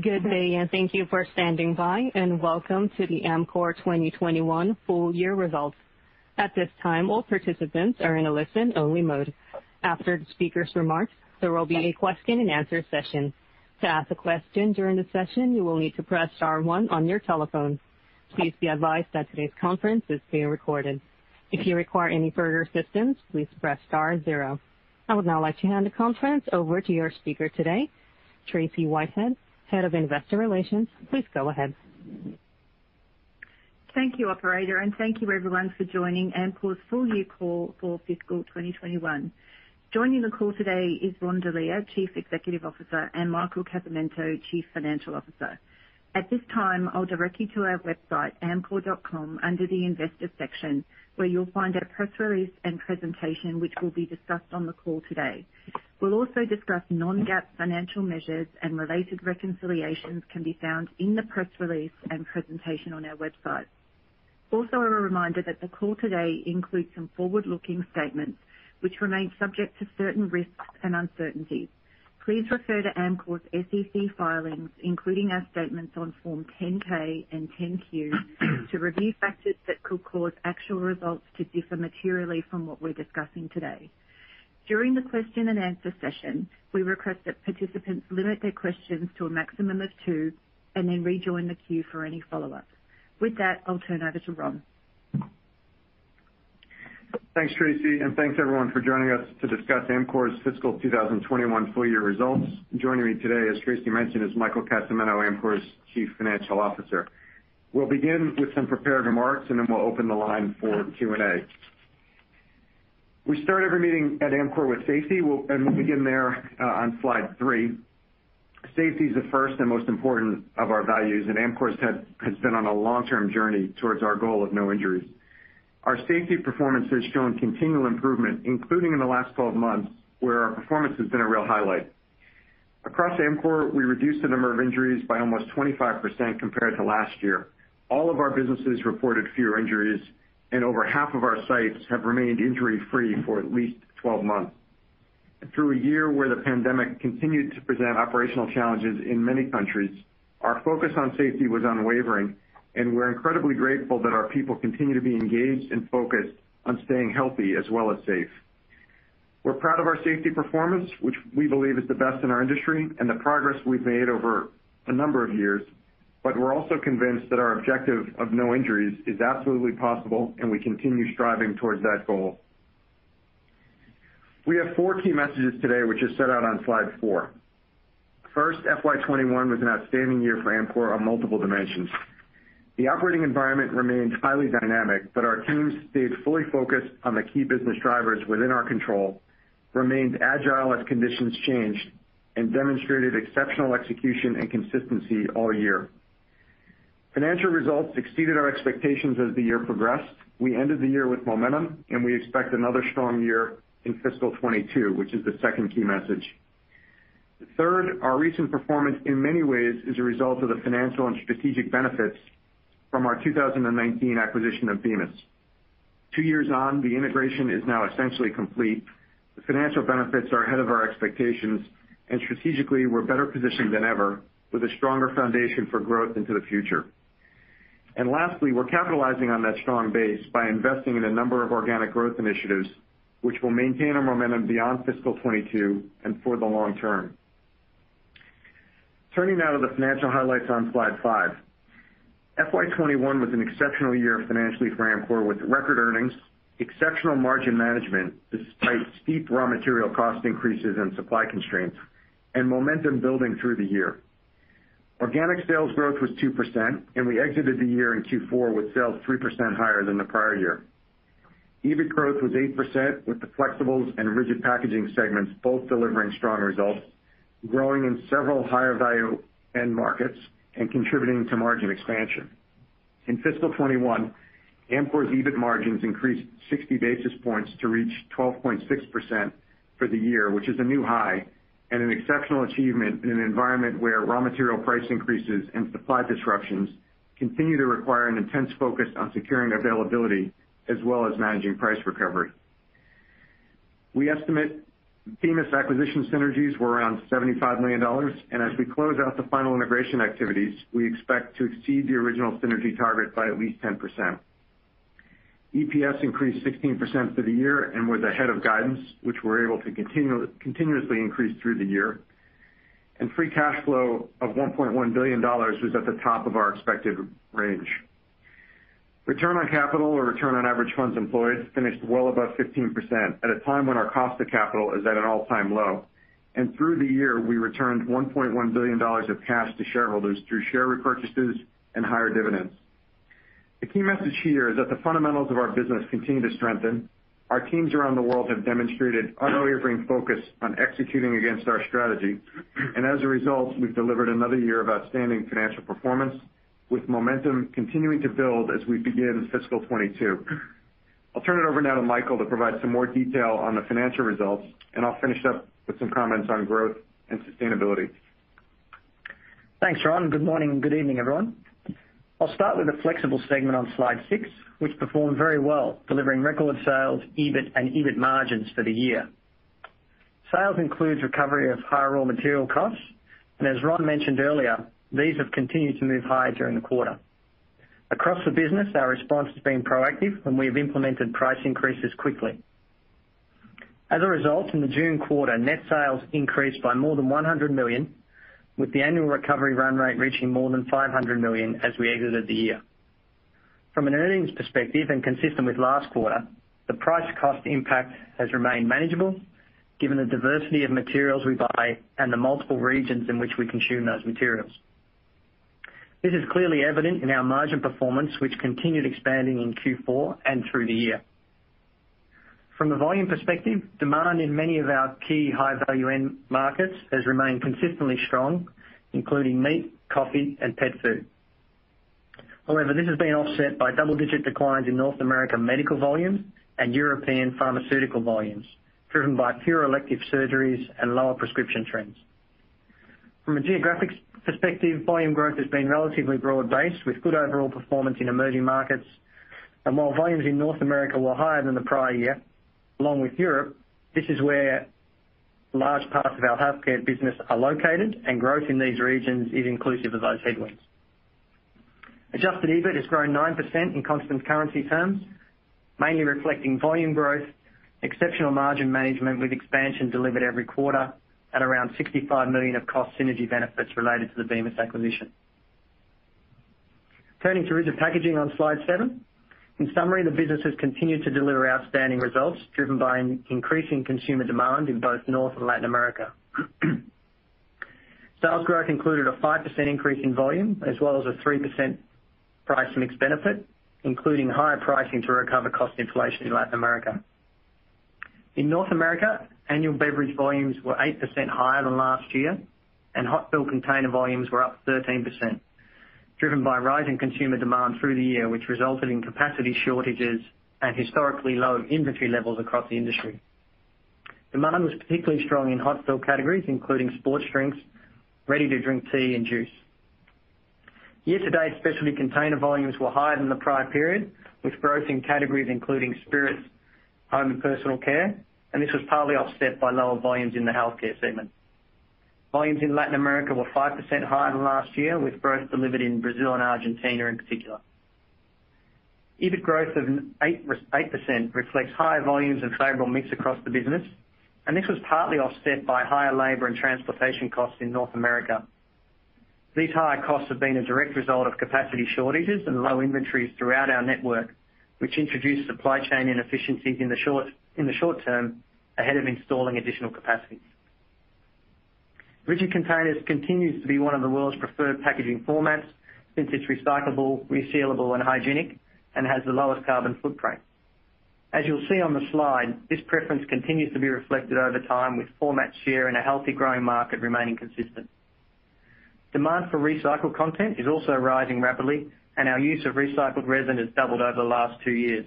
Good day, and thank you for standing by, and welcome to the Amcor FY2021 full year results. At this time, all participants are in a listen-only mode. After the speaker's remarks, there will be a question and answer session. To ask a question during the session, you will need to press star one on your telephone. Please be advised that today's conference is being recorded. If you require any further assistance, please press star zero. I would now like to hand the conference over to your speaker today, Tracey Whitehead, Head of Investor Relations. Please go ahead. Thank you, operator, and thank you everyone for joining Amcor's full year call for fiscal 2021. Joining the call today is Ron Delia, Chief Executive Officer, and Michael Casamento, Chief Financial Officer. At this time, I'll direct you to our website, amcor.com, under the investor section, where you'll find our press release and presentation, which will be discussed on the call today. We'll also discuss non-GAAP financial measures and related reconciliations can be found in the press release and presentation on our website. Also, a reminder that the call today includes some forward-looking statements which remain subject to certain risks and uncertainties. Please refer to Amcor's SEC filings, including our statements on Form 10-K and 10-Q, to review factors that could cause actual results to differ materially from what we're discussing today. During the question and answer session, we request that participants limit their questions to a maximum of two and then rejoin the queue for any follow-ups. With that, I'll turn over to Ron. Thanks, Tracey, and thanks everyone for joining us to discuss Amcor's fiscal 2021 full year results. Joining me today, as Tracey mentioned, is Michael Casamento, Amcor's Chief Financial Officer. We'll begin with some prepared remarks, and then we'll open the line for Q&A. We start every meeting at Amcor with safety. We'll begin there on slide three. Safety is the first and most important of our values, and Amcor has been on a long-term journey towards our goal of no injuries. Our safety performance has shown continual improvement, including in the last 12 months, where our performance has been a real highlight. Across Amcor, we reduced the number of injuries by almost 25% compared to last year. All of our businesses reported fewer injuries, and over half of our sites have remained injury-free for at least 12 months. Through a year where the pandemic continued to present operational challenges in many countries, our focus on safety was unwavering, and we're incredibly grateful that our people continue to be engaged and focused on staying healthy as well as safe. We're proud of our safety performance, which we believe is the best in our industry, and the progress we've made over a number of years. We're also convinced that our objective of no injuries is absolutely possible, and we continue striving towards that goal. We have four key messages today, which is set out on slide four. First, FY 2021 was an outstanding year for Amcor on multiple dimensions. The operating environment remained highly dynamic, but our teams stayed fully focused on the key business drivers within our control, remained agile as conditions changed, and demonstrated exceptional execution and consistency all year. Financial results exceeded our expectations as the year progressed. We ended the year with momentum. We expect another strong year in fiscal 2022, which is the second key message. The third, our recent performance, in many ways, is a result of the financial and strategic benefits from our 2019 acquisition of Bemis. Two years on, the integration is now essentially complete. The financial benefits are ahead of our expectations. Strategically, we're better positioned than ever with a stronger foundation for growth into the future. Lastly, we're capitalizing on that strong base by investing in a number of organic growth initiatives, which will maintain our momentum beyond fiscal 2022 and for the long term. Turning now to the financial highlights on slide five. FY 2021 was an exceptional year financially for Amcor, with record earnings, exceptional margin management despite steep raw material cost increases and supply constraints, and momentum building through the year. Organic sales growth was 2%, and we exited the year in Q4 with sales 3% higher than the prior year. EBIT growth was 8%, with the flexibles and rigid packaging segments both delivering strong results, growing in several higher value end markets and contributing to margin expansion. In fiscal 2021, Amcor's EBIT margins increased 60 basis points to reach 12.6% for the year, which is a new high and an exceptional achievement in an environment where raw material price increases and supply disruptions continue to require an intense focus on securing availability as well as managing price recovery. We estimate Bemis acquisition synergies were around $75 million, and as we close out the final integration activities, we expect to exceed the original synergy target by at least 10%. EPS increased 16% for the year and was ahead of guidance, which we're able to continuously increase through the year. Free cash flow of $1.1 billion was at the top of our expected range. Return on capital or return on average funds employed finished well above 15% at a time when our cost of capital is at an all-time low. Through the year, we returned $1.1 billion of cash to shareholders through share repurchases and higher dividends. The key message here is that the fundamentals of our business continue to strengthen. Our teams around the world have demonstrated unwavering focus on executing against our strategy. As a result, we've delivered another year of outstanding financial performance with momentum continuing to build as we begin FY 2022. I'll turn it over now to Michael to provide some more detail on the financial results, and I'll finish up with some comments on growth and sustainability. Thanks, Ron. Good morning and good evening, everyone. I'll start with the Flexible segment on slide six, which performed very well, delivering record sales, EBIT and EBIT margins for the year. Sales includes recovery of higher raw material costs, and as Ron mentioned earlier, these have continued to move higher during the quarter. Across the business, our response has been proactive, and we have implemented price increases quickly. As a result, in the June quarter, net sales increased by more than $100 million, with the annual recovery run rate reaching more than $500 million as we exited the year. From an earnings perspective, and consistent with last quarter, the price cost impact has remained manageable given the diversity of materials we buy and the multiple regions in which we consume those materials. This is clearly evident in our margin performance, which continued expanding in Q4 and through the year. From a volume perspective, demand in many of our key high-value end markets has remained consistently strong, including meat, coffee, and pet food. However, this has been offset by double-digit declines in North American medical volumes and European pharmaceutical volumes, driven by fewer elective surgeries and lower prescription trends. From a geographic perspective, volume growth has been relatively broad-based with good overall performance in emerging markets. While volumes in North America were higher than the prior year, along with Europe, this is where large parts of our healthcare business are located, and growth in these regions is inclusive of those headwinds. Adjusted EBIT has grown 9% in constant currency terms, mainly reflecting volume growth, exceptional margin management with expansion delivered every quarter at around $65 million of cost synergy benefits related to the Bemis acquisition. Turning to Rigid Packaging on Slide seven. In summary, the business has continued to deliver outstanding results, driven by an increase in consumer demand in both North and Latin America. Sales growth included a 5% increase in volume as well as a 3% price mix benefit, including higher pricing to recover cost inflation in Latin America. In North America, annual beverage volumes were 8% higher than last year, and hot fill container volumes were up 13%, driven by rising consumer demand through the year, which resulted in capacity shortages and historically low inventory levels across the industry. Demand was particularly strong in hot fill categories, including sports drinks, ready-to-drink tea, and juice. Year-to-date, specialty container volumes were higher than the prior period, with growth in categories including spirits, home and personal care, and this was partly offset by lower volumes in the healthcare segment. Volumes in Latin America were 5% higher than last year, with growth delivered in Brazil and Argentina in particular. EBIT growth of 8% reflects higher volumes and favorable mix across the business, and this was partly offset by higher labor and transportation costs in North America. These higher costs have been a direct result of capacity shortages and low inventories throughout our network, which introduced supply chain inefficiencies in the short term ahead of installing additional capacity. Rigid containers continues to be one of the world's preferred packaging formats since it's recyclable, resealable, and hygienic and has the lowest carbon footprint. As you'll see on the slide, this preference continues to be reflected over time with format share and a healthy growing market remaining consistent. Demand for recycled content is also rising rapidly, and our use of recycled resin has doubled over the last two years.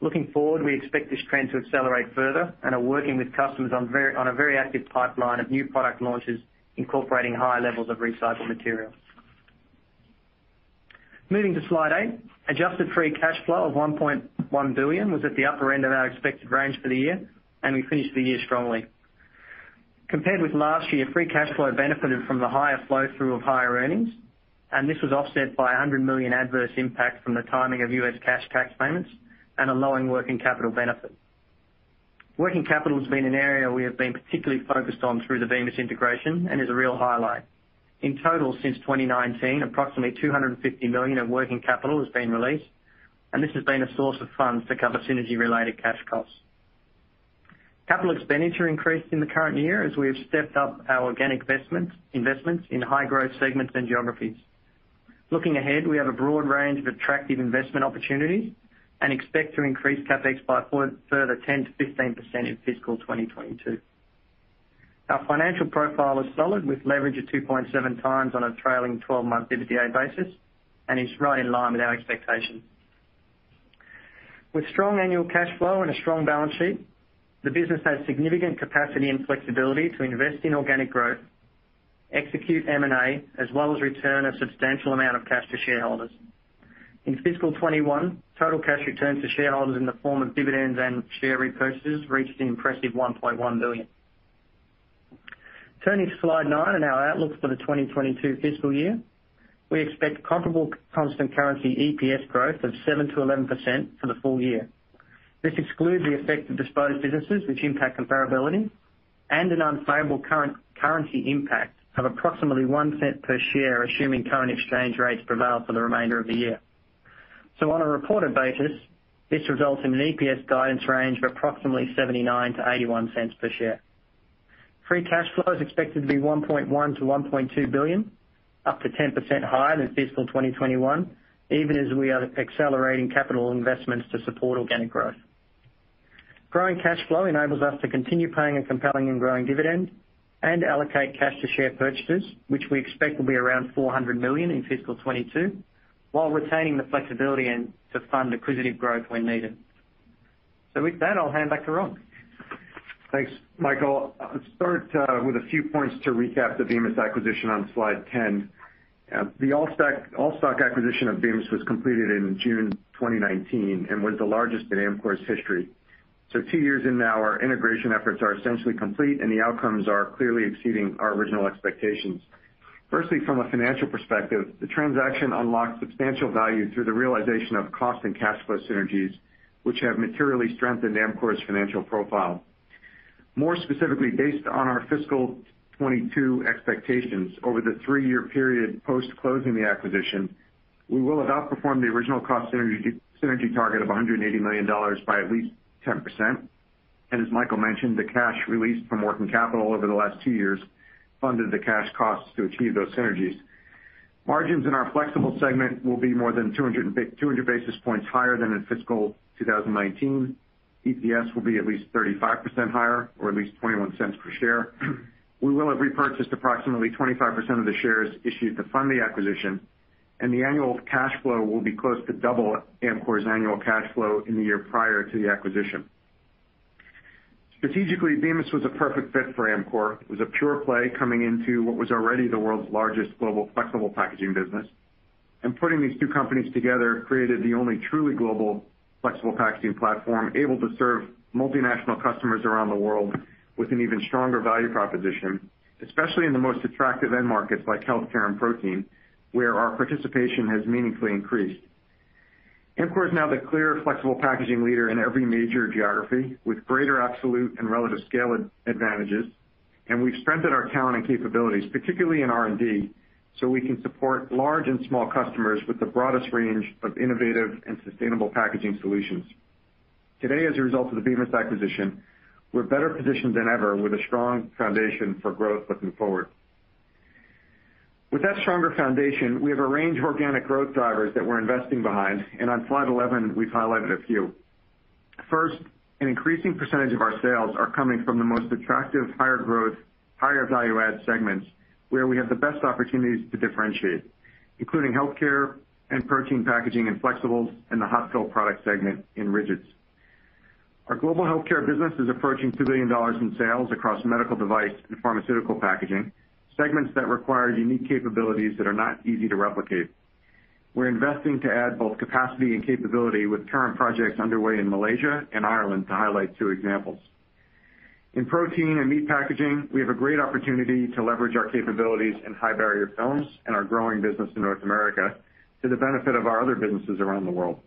Looking forward, we expect this trend to accelerate further and are working with customers on a very active pipeline of new product launches incorporating higher levels of recycled material. Moving to slide eight. Adjusted free cash flow of $1.1 billion was at the upper end of our expected range for the year, and we finished the year strongly. Compared with last year, free cash flow benefited from the higher flow-through of higher earnings, and this was offset by $100 million adverse impact from the timing of U.S. cash tax payments and a lower working capital benefit. Working capital has been an area we have been particularly focused on through the Bemis integration and is a real highlight. In total, since 2019, approximately $250 million of working capital has been released, and this has been a source of funds to cover synergy-related cash costs. Capital expenditure increased in the current year as we have stepped up our organic investments in high-growth segments and geographies. Looking ahead, we have a broad range of attractive investment opportunities and expect to increase CapEx by a further 10%-15% in fiscal 2022. Our financial profile is solid, with leverage of 2.7x on a trailing 12-month EBITDA basis and is right in line with our expectations. With strong annual cash flow and a strong balance sheet, the business has significant capacity and flexibility to invest in organic growth, execute M&A, as well as return a substantial amount of cash to shareholders. In fiscal 2021, total cash returns to shareholders in the form of dividends and share repurchases reached an impressive $1.1 billion. Turning to slide nine and our outlook for the 2022 fiscal year. We expect comparable constant currency EPS growth of 7%-11% for the full year. This excludes the effect of disposed businesses, which impact comparability and an unfavorable currency impact of approximately $0.01 per share, assuming current exchange rates prevail for the remainder of the year. On a reported basis, this results in an EPS guidance range of approximately $0.79-$0.81 per share. Free cash flow is expected to be $1.1 billion-$1.2 billion, up to 10% higher than fiscal 2021, even as we are accelerating capital investments to support organic growth. Growing cash flow enables us to continue paying a compelling and growing dividend and allocate cash to share purchases, which we expect will be around $400 million in FY 2022 while retaining the flexibility to fund acquisitive growth when needed. With that, I'll hand back to Ron. Thanks, Michael. I'll start with a few points to recap the Bemis acquisition on slide 10. The all-stock acquisition of Bemis was completed in June 2019, and was the largest in Amcor's history. Two years in now, our integration efforts are essentially complete, and the outcomes are clearly exceeding our original expectations. Firstly, from a financial perspective, the transaction unlocked substantial value through the realization of cost and cash flow synergies, which have materially strengthened Amcor's financial profile. More specifically, based on our fiscal 2022 expectations over the three-year period post-closing the acquisition, we will have outperformed the original cost synergy target of $180 million by at least 10%. As Michael mentioned, the cash released from working capital over the last two years funded the cash costs to achieve those synergies. Margins in our flexible segment will be more than 200 basis points higher than in fiscal 2019. EPS will be at least 35% higher or at least $0.21 per share. We will have repurchased approximately 25% of the shares issued to fund the acquisition, and the annual cash flow will be close to double Amcor's annual cash flow in the year prior to the acquisition. Strategically, Bemis was a perfect fit for Amcor. It was a pure play coming into what was already the world's largest global flexible packaging business. Putting these two companies together created the only truly global flexible packaging platform able to serve multinational customers around the world with an even stronger value proposition, especially in the most attractive end markets like healthcare and protein, where our participation has meaningfully increased. Amcor is now the clear flexible packaging leader in every major geography with greater absolute and relative scale advantages. We've strengthened our talent and capabilities, particularly in R&D, so we can support large and small customers with the broadest range of innovative and sustainable packaging solutions. Today, as a result of the Bemis acquisition, we're better positioned than ever with a strong foundation for growth looking forward. With that stronger foundation, we have a range of organic growth drivers that we're investing behind. On slide 11, we've highlighted a few. First, an increasing percentage of our sales are coming from the most attractive, higher growth, higher value-add segments where we have the best opportunities to differentiate, including healthcare and protein packaging and flexibles in the hot-fill product segment in rigids. Our global healthcare business is approaching $2 billion in sales across medical device and pharmaceutical packaging, segments that require unique capabilities that are not easy to replicate. We're investing to add both capacity and capability with current projects underway in Malaysia and Ireland to highlight two examples. In protein and meat packaging, we have a great opportunity to leverage our capabilities in high-barrier films and our growing business in North America to the benefit of our other businesses around the world.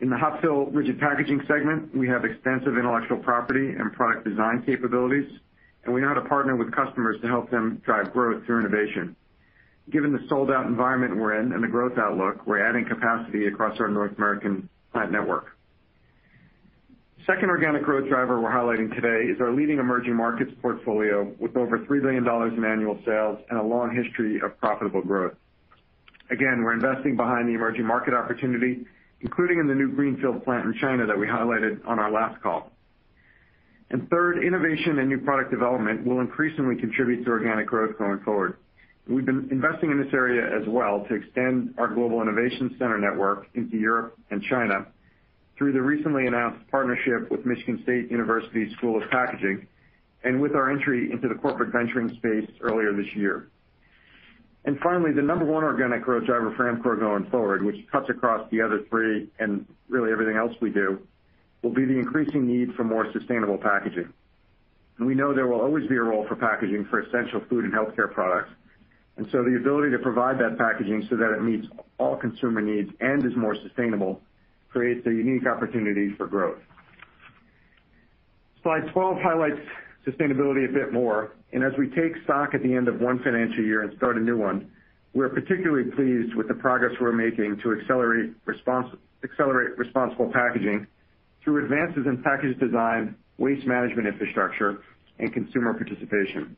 In the hot-fill rigid packaging segment, we have extensive intellectual property and product design capabilities, and we know how to partner with customers to help them drive growth through innovation. Given the sold-out environment we're in and the growth outlook, we're adding capacity across our North American plant network. Second organic growth driver we're highlighting today is our leading emerging markets portfolio with over $3 billion in annual sales and a long history of profitable growth. Again, we're investing behind the emerging market opportunity, including in the new greenfield plant in China that we highlighted on our last call. Third, innovation and new product development will increasingly contribute to organic growth going forward. We've been investing in this area as well to extend our global innovation center network into Europe and China through the recently announced partnership with Michigan State University's School of Packaging and with our entry into the corporate venturing space earlier this year. Finally, the number one organic growth driver for Amcor going forward, which cuts across the other three and really everything else we do, will be the increasing need for more sustainable packaging. We know there will always be a role for packaging for essential food and healthcare products. The ability to provide that packaging so that it meets all consumer needs and is more sustainable creates a unique opportunity for growth. Slide 12 highlights sustainability a bit more, and as we take stock at the end of one financial year and start a new one, we're particularly pleased with the progress we're making to accelerate responsible packaging through advances in package design, waste management infrastructure, and consumer participation.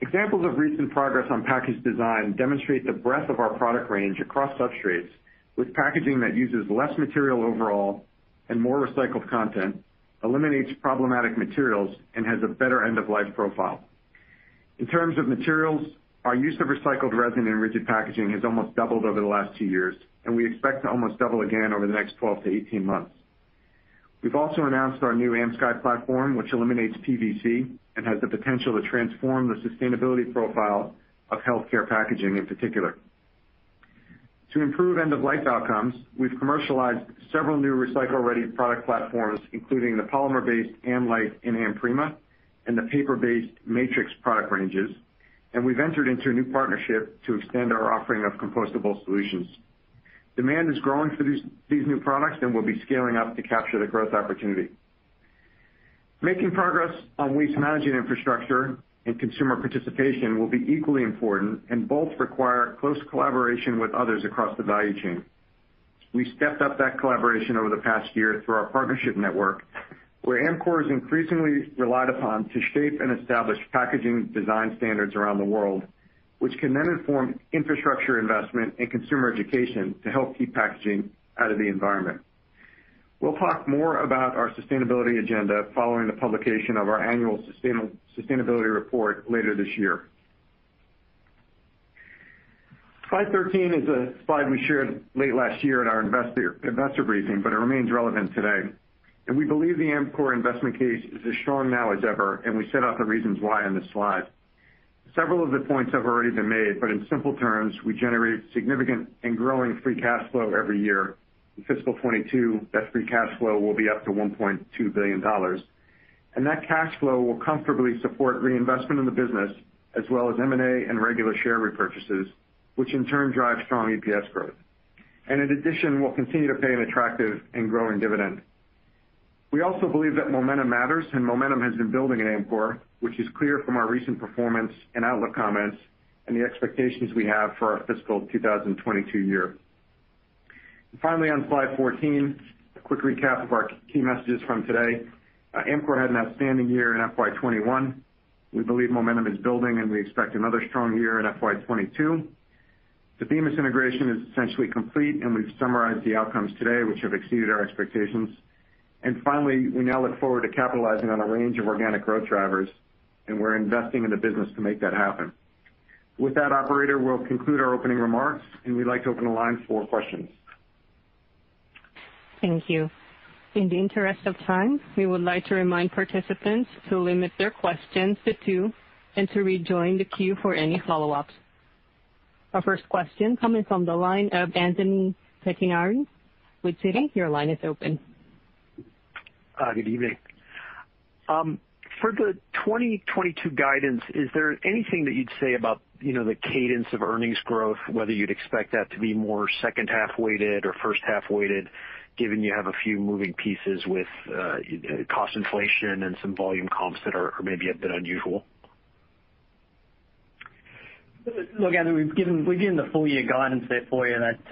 Examples of recent progress on package design demonstrate the breadth of our product range across substrates with packaging that uses less material overall and more recycled content, eliminates problematic materials, and has a better end-of-life profile. In terms of materials, our use of recycled resin in rigid packaging has almost doubled over the last two years, and we expect to almost double again over the next 12-18 months. We've also announced our new AmSky platform, which eliminates PVC and has the potential to transform the sustainability profile of healthcare packaging in particular. To improve end-of-life outcomes, we've commercialized several new recycle-ready product platforms, including the polymer-based AmLite and AmPrima, and the paper-based Matrix product ranges, and we've entered into a new partnership to extend our offering of compostable solutions. Demand is growing for these new products, and we'll be scaling up to capture the growth opportunity. Making progress on waste management infrastructure and consumer participation will be equally important and both require close collaboration with others across the value chain. We stepped up that collaboration over the past year through our partnership network, where Amcor is increasingly relied upon to shape and establish packaging design standards around the world, which can then inform infrastructure investment and consumer education to help keep packaging out of the environment. We'll talk more about our sustainability agenda following the publication of our annual sustainability report later this year. Slide 13 is a slide we shared late last year at our investor briefing, it remains relevant today. We believe the Amcor investment case is as strong now as ever, and we set out the reasons why in this slide. Several of the points have already been made, in simple terms, we generate significant and growing free cash flow every year. In fiscal 2022, that free cash flow will be up to $1.2 billion. That cash flow will comfortably support reinvestment in the business, as well as M&A and regular share repurchases, which in turn drives strong EPS growth. In addition, we'll continue to pay an attractive and growing dividend. We also believe that momentum matters, and momentum has been building at Amcor, which is clear from our recent performance and outlook comments and the expectations we have for our fiscal 2022 year. Finally, on slide 14, a quick recap of our key messages from today. Amcor had an outstanding year in FY 2021. We believe momentum is building, and we expect another strong year in FY 2022. The Bemis integration is essentially complete, and we've summarized the outcomes today, which have exceeded our expectations. Finally, we now look forward to capitalizing on a range of organic growth drivers, and we're investing in the business to make that happen. With that, operator, we'll conclude our opening remarks, and we'd like to open the lines for questions. Thank you. In the interest of time, we would like to remind participants to limit their questions to two and to rejoin the queue for any follow-ups. Our first question coming from the line of Anthony Pettinari with Citi. Your line is open. Good evening. For the 2022 guidance, is there anything that you'd say about the cadence of earnings growth, whether you'd expect that to be more second half-weighted or first half-weighted, given you have a few moving pieces with cost inflation and some volume comps that are maybe a bit unusual? Look, Anthony, we've given the full year guidance there for you, that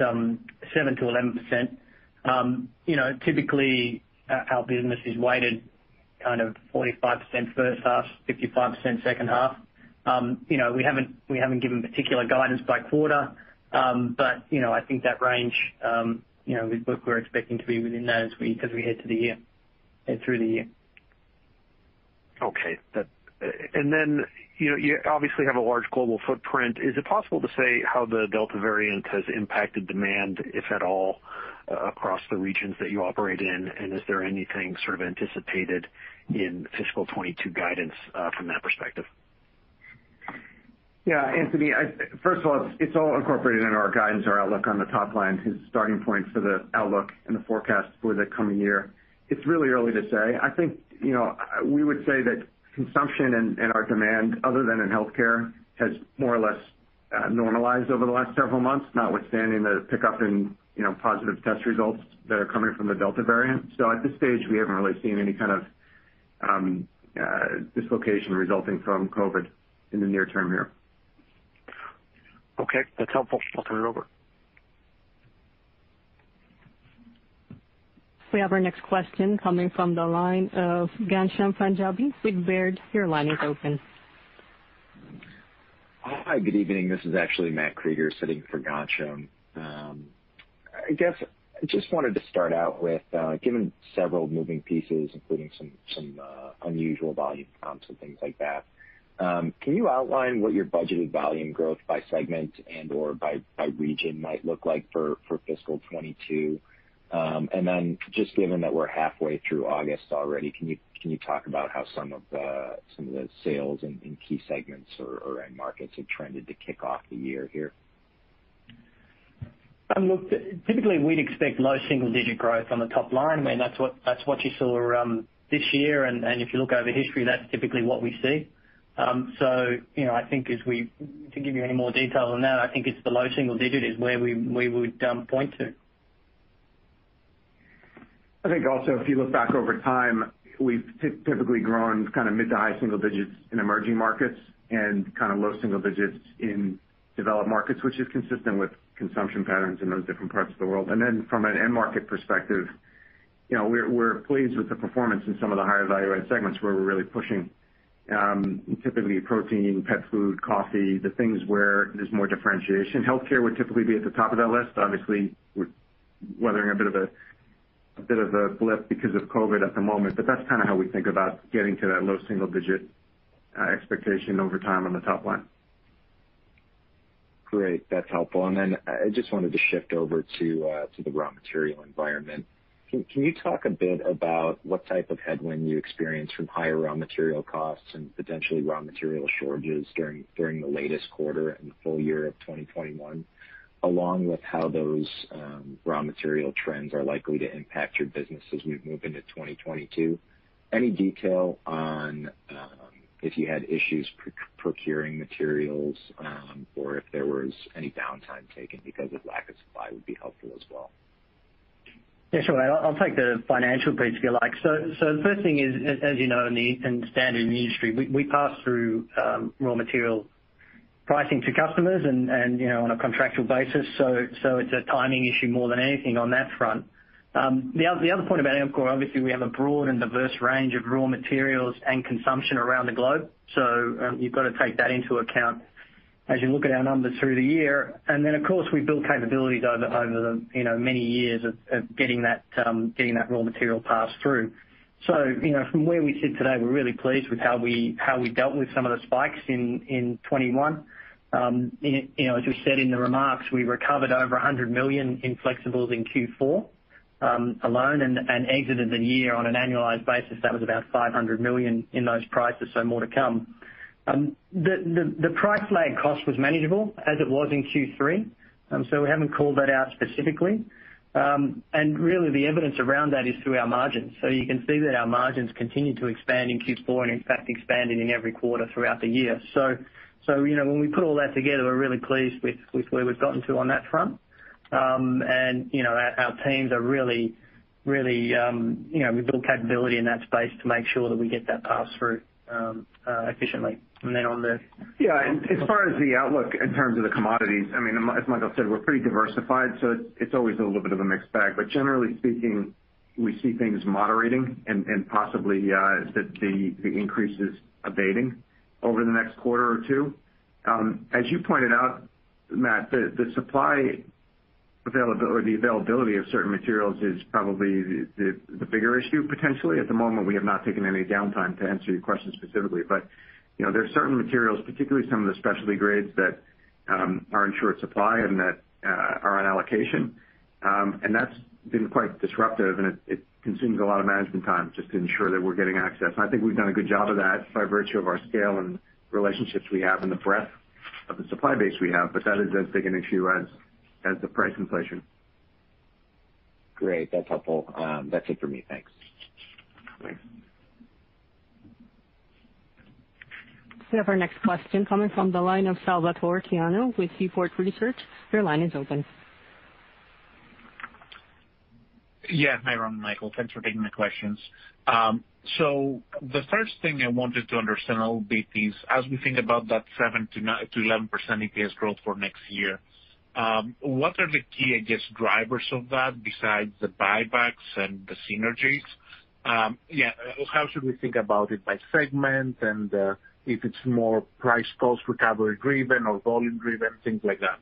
7%-11%. Typically, our business is weighted kind of 45% first half, 55% second half. We haven't given particular guidance by quarter. I think that range, we're expecting to be within that as we head through the year. Okay. Then you obviously have a large global footprint. Is it possible to say how the Delta variant has impacted demand, if at all, across the regions that you operate in? Is there anything sort of anticipated in fiscal 2022 guidance from that perspective? Anthony, first of all, it's all incorporated in our guidance, our outlook on the top line. His starting points for the outlook and the forecast for the coming year. It's really early to say. I think we would say that consumption and our demand, other than in healthcare, has more or less normalized over the last several months, notwithstanding the pickup in positive test results that are coming from the Delta variant. At this stage, we haven't really seen any kind of dislocation resulting from COVID in the near term here. Okay, that's helpful. I'll turn it over. We have our next question coming from the line of Ghansham Panjabi, Baird. Your line is open. Hi, good evening. This is actually Matthew Krueger sitting for Ghansham. I guess I just wanted to start out with, given several moving pieces, including some unusual volume comps and things like that, can you outline what your budgeted volume growth by segment and/or by region might look like for fiscal 2022? Then just given that we're halfway through August already, can you talk about how some of the sales in key segments or end markets have trended to kick off the year here? Typically we'd expect low single-digit growth on the top line. I mean, that's what you saw this year. If you look over history, that's typically what we see. I think to give you any more detail than that, I think it's the low single-digit is where we would point to. I think also if you look back over time, we've typically grown mid to high single digits in emerging markets and low single digits in developed markets, which is consistent with consumption patterns in those different parts of the world. From an end market perspective, we're pleased with the performance in some of the higher value-add segments where we're really pushing, typically protein, pet food, coffee, the things where there's more differentiation. Healthcare would typically be at the top of that list. Obviously, we're weathering a bit of a blip because of COVID at the moment. That's kind of how we think about getting to that low single digit expectation over time on the top line. Great. That's helpful. Then I just wanted to shift over to the raw material environment. Can you talk a bit about what type of headwind you experienced from higher raw material costs and potentially raw material shortages during the latest quarter and the full year of 2021, along with how those raw material trends are likely to impact your business as we move into 2022? Any detail on if you had issues procuring materials or if there was any downtime taken because of lack of supply would be helpful as well. Yeah, sure. I'll take the financial bit, if you like. The first thing is, as you know, in standard in the industry, we pass through raw material pricing to customers and on a contractual basis. It's a timing issue more than anything on that front. The other point about Amcor, obviously, we have a broad and diverse range of raw materials and consumption around the globe. You've got to take that into account. As you look at our numbers through the year, and then, of course, we've built capabilities over the many years of getting that raw material passed through. From where we sit today, we're really pleased with how we dealt with some of the spikes in 2021. As we said in the remarks, we recovered over $100 million in flexibles in Q4 alone, and exited the year on an annualized basis, that was about $500 million in those prices. More to come. The price lag cost was manageable as it was in Q3. We haven't called that out specifically. Really, the evidence around that is through our margins. You can see that our margins continued to expand in Q4, and in fact, expanding in every quarter throughout the year. When we put all that together, we're really pleased with where we've gotten to on that front. Our teams, we've built capability in that space to make sure that we get that pass through efficiently. Yeah. As far as the outlook in terms of the commodities, as Michael said, we're pretty diversified, so it's always a little bit of a mixed bag. But generally speaking, we see things moderating and possibly that the increase is abating over the next quarter or two. As you pointed out, Matthew, the supply availability of certain materials is probably the bigger issue, potentially. At the moment, we have not taken any downtime, to answer your question specifically. But there are certain materials, particularly some of the specialty grades that are in short supply and that are on allocation. That's been quite disruptive, and it consumes a lot of management time just to ensure that we're getting access. I think we've done a good job of that by virtue of our scale and relationships we have and the breadth of the supply base we have. That is as big an issue as the price inflation. Great. That's helpful. That's it for me. Thanks. Thanks. We have our next question coming from the line of Salvator Tiano with Seaport Global and Seaport Research Partners. Your line is open. Yeah. Hi, Ron and Michael. Thanks for taking the questions. The first thing I wanted to understand a little bit is, as we think about that 7%-11% EPS growth for next year, what are the key, I guess, drivers of that besides the buybacks and the synergies? How should we think about it by segment, and if it's more price cost recovery driven or volume driven, things like that?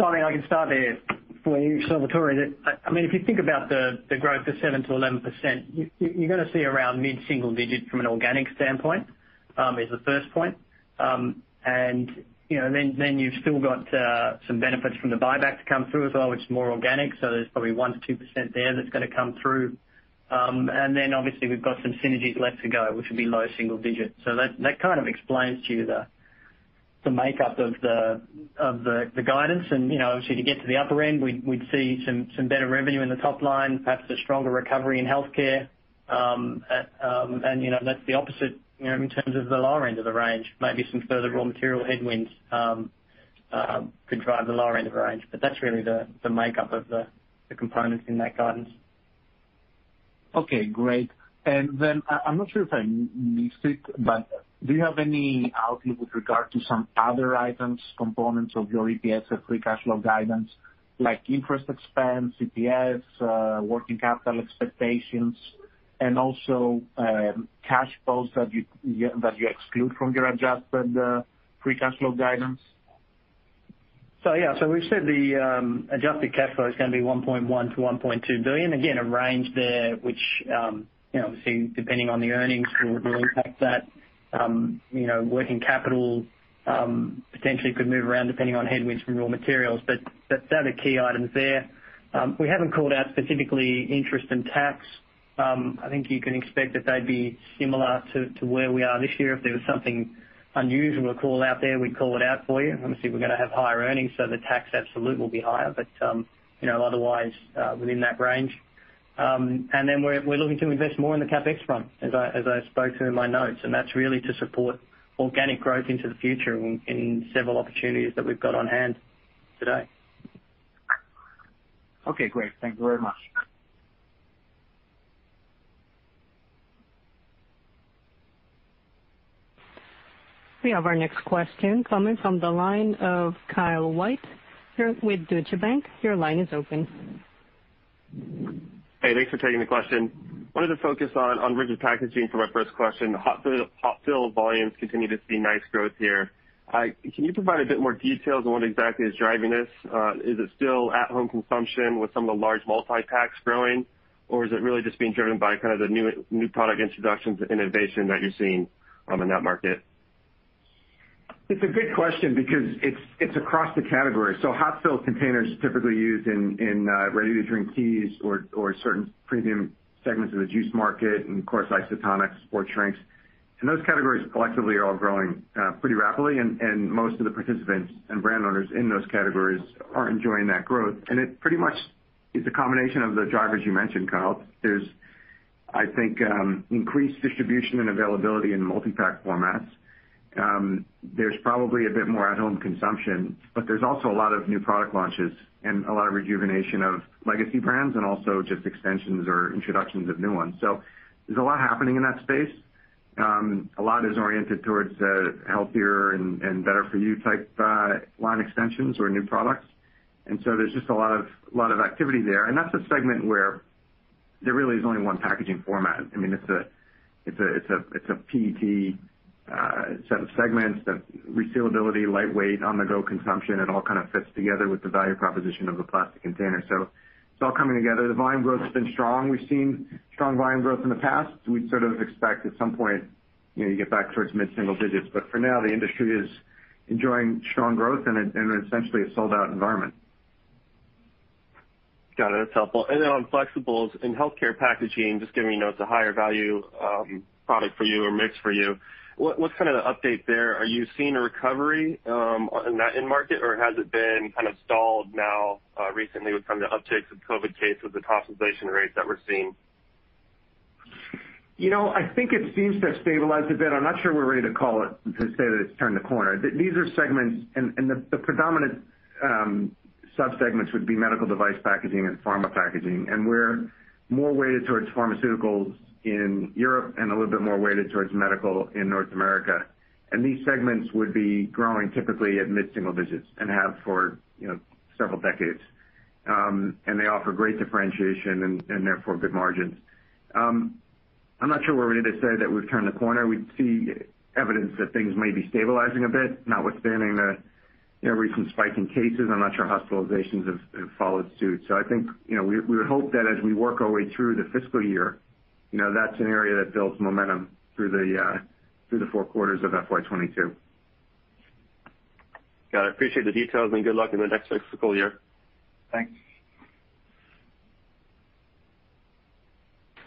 I can start there for you, Salvatore. If you think about the growth of 7%-11%, you're going to see around mid-single digit from an organic standpoint, is the first point. You've still got some benefits from the buyback to come through as well, which is more organic. There's probably 1%-2% there that's going to come through. Obviously, we've got some synergies left to go, which would be low single digits. That kind of explains to you the makeup of the guidance. Obviously, to get to the upper end, we'd see some better revenue in the top line, perhaps a stronger recovery in healthcare. That's the opposite in terms of the lower end of the range. Maybe some further raw material headwinds could drive the lower end of the range. That's really the makeup of the components in that guidance. Okay, great. I'm not sure if I missed it, but do you have any outlook with regard to some other items, components of your EPS or free cash flow guidance, like interest expense, EPS, working capital expectations, and also cash flows that you exclude from your adjusted free cash flow guidance? Yeah. We've said the adjusted cash flow is going to be $1.1 billion-$1.2 billion. Again, a range there which obviously, depending on the earnings will impact that. Working capital potentially could move around depending on headwinds from raw materials. They're the key items there. We haven't called out specifically interest and tax. I think you can expect that they'd be similar to where we are this year. If there was something unusual to call out there, we'd call it out for you. Obviously, we're going to have higher earnings, the tax absolute will be higher. Otherwise, within that range. We're looking to invest more in the CapEx front, as I spoke to in my notes, and that's really to support organic growth into the future in several opportunities that we've got on hand today. Okay, great. Thank you very much. We have our next question coming from the line of Kyle White with Deutsche Bank. Your line is open. Hey, thanks for taking the question. Wanted to focus on rigid packaging for my first question. The hot fill volumes continue to see nice growth here. Can you provide a bit more details on what exactly is driving this? Is it still at-home consumption with some of the large multi-packs growing, or is it really just being driven by kind of the new product introductions and innovation that you're seeing in that market? It's a good question because it's across the category. Hot fill containers typically are used in ready-to-drink teas or certain premium segments of the juice market, and of course, isotonic sports drinks. Those categories collectively are all growing pretty rapidly, and most of the participants and brand owners in those categories are enjoying that growth. It pretty much is a combination of the drivers you mentioned, Kyle. There's, I think, increased distribution and availability in multi-pack formats. There's probably a bit more at-home consumption, but there's also a lot of new product launches and a lot of rejuvenation of legacy brands and also just extensions or introductions of new ones. There's a lot happening in that space. A lot is oriented towards healthier and better-for-you type line extensions or new products. There's just a lot of activity there. That's a segment where There really is only one packaging format. It's a PET set of segments that resealability, lightweight, on-the-go consumption, it all kind of fits together with the value proposition of a plastic container. It's all coming together. The volume growth has been strong. We've seen strong volume growth in the past. We'd sort of expect at some point, you get back towards mid-single-digits. For now, the industry is enjoying strong growth and essentially a sold-out environment. Got it. That's helpful. On flexibles in healthcare packaging, just given we know it's a higher value product for you or mix for you, what's kind of the update there? Are you seeing a recovery in market or has it been kind of stalled now recently with kind of the upticks of COVID cases, the hospitalization rates that we're seeing? I think it seems to have stabilized a bit. I'm not sure we're ready to call it, to say that it's turned a corner. These are segments, and the predominant sub-segments would be medical device packaging and pharma packaging. We're more weighted towards pharmaceuticals in Europe and a little bit more weighted towards medical in North America. These segments would be growing typically at mid-single digits and have for several decades. They offer great differentiation and therefore good margins. I'm not sure we're ready to say that we've turned a corner. We see evidence that things may be stabilizing a bit, notwithstanding the recent spike in cases. I'm not sure hospitalizations have followed suit. I think, we would hope that as we work our way through the fiscal year, that's an area that builds momentum through the four quarters of FY 2022. Got it. Appreciate the details and good luck in the next fiscal year. Thanks.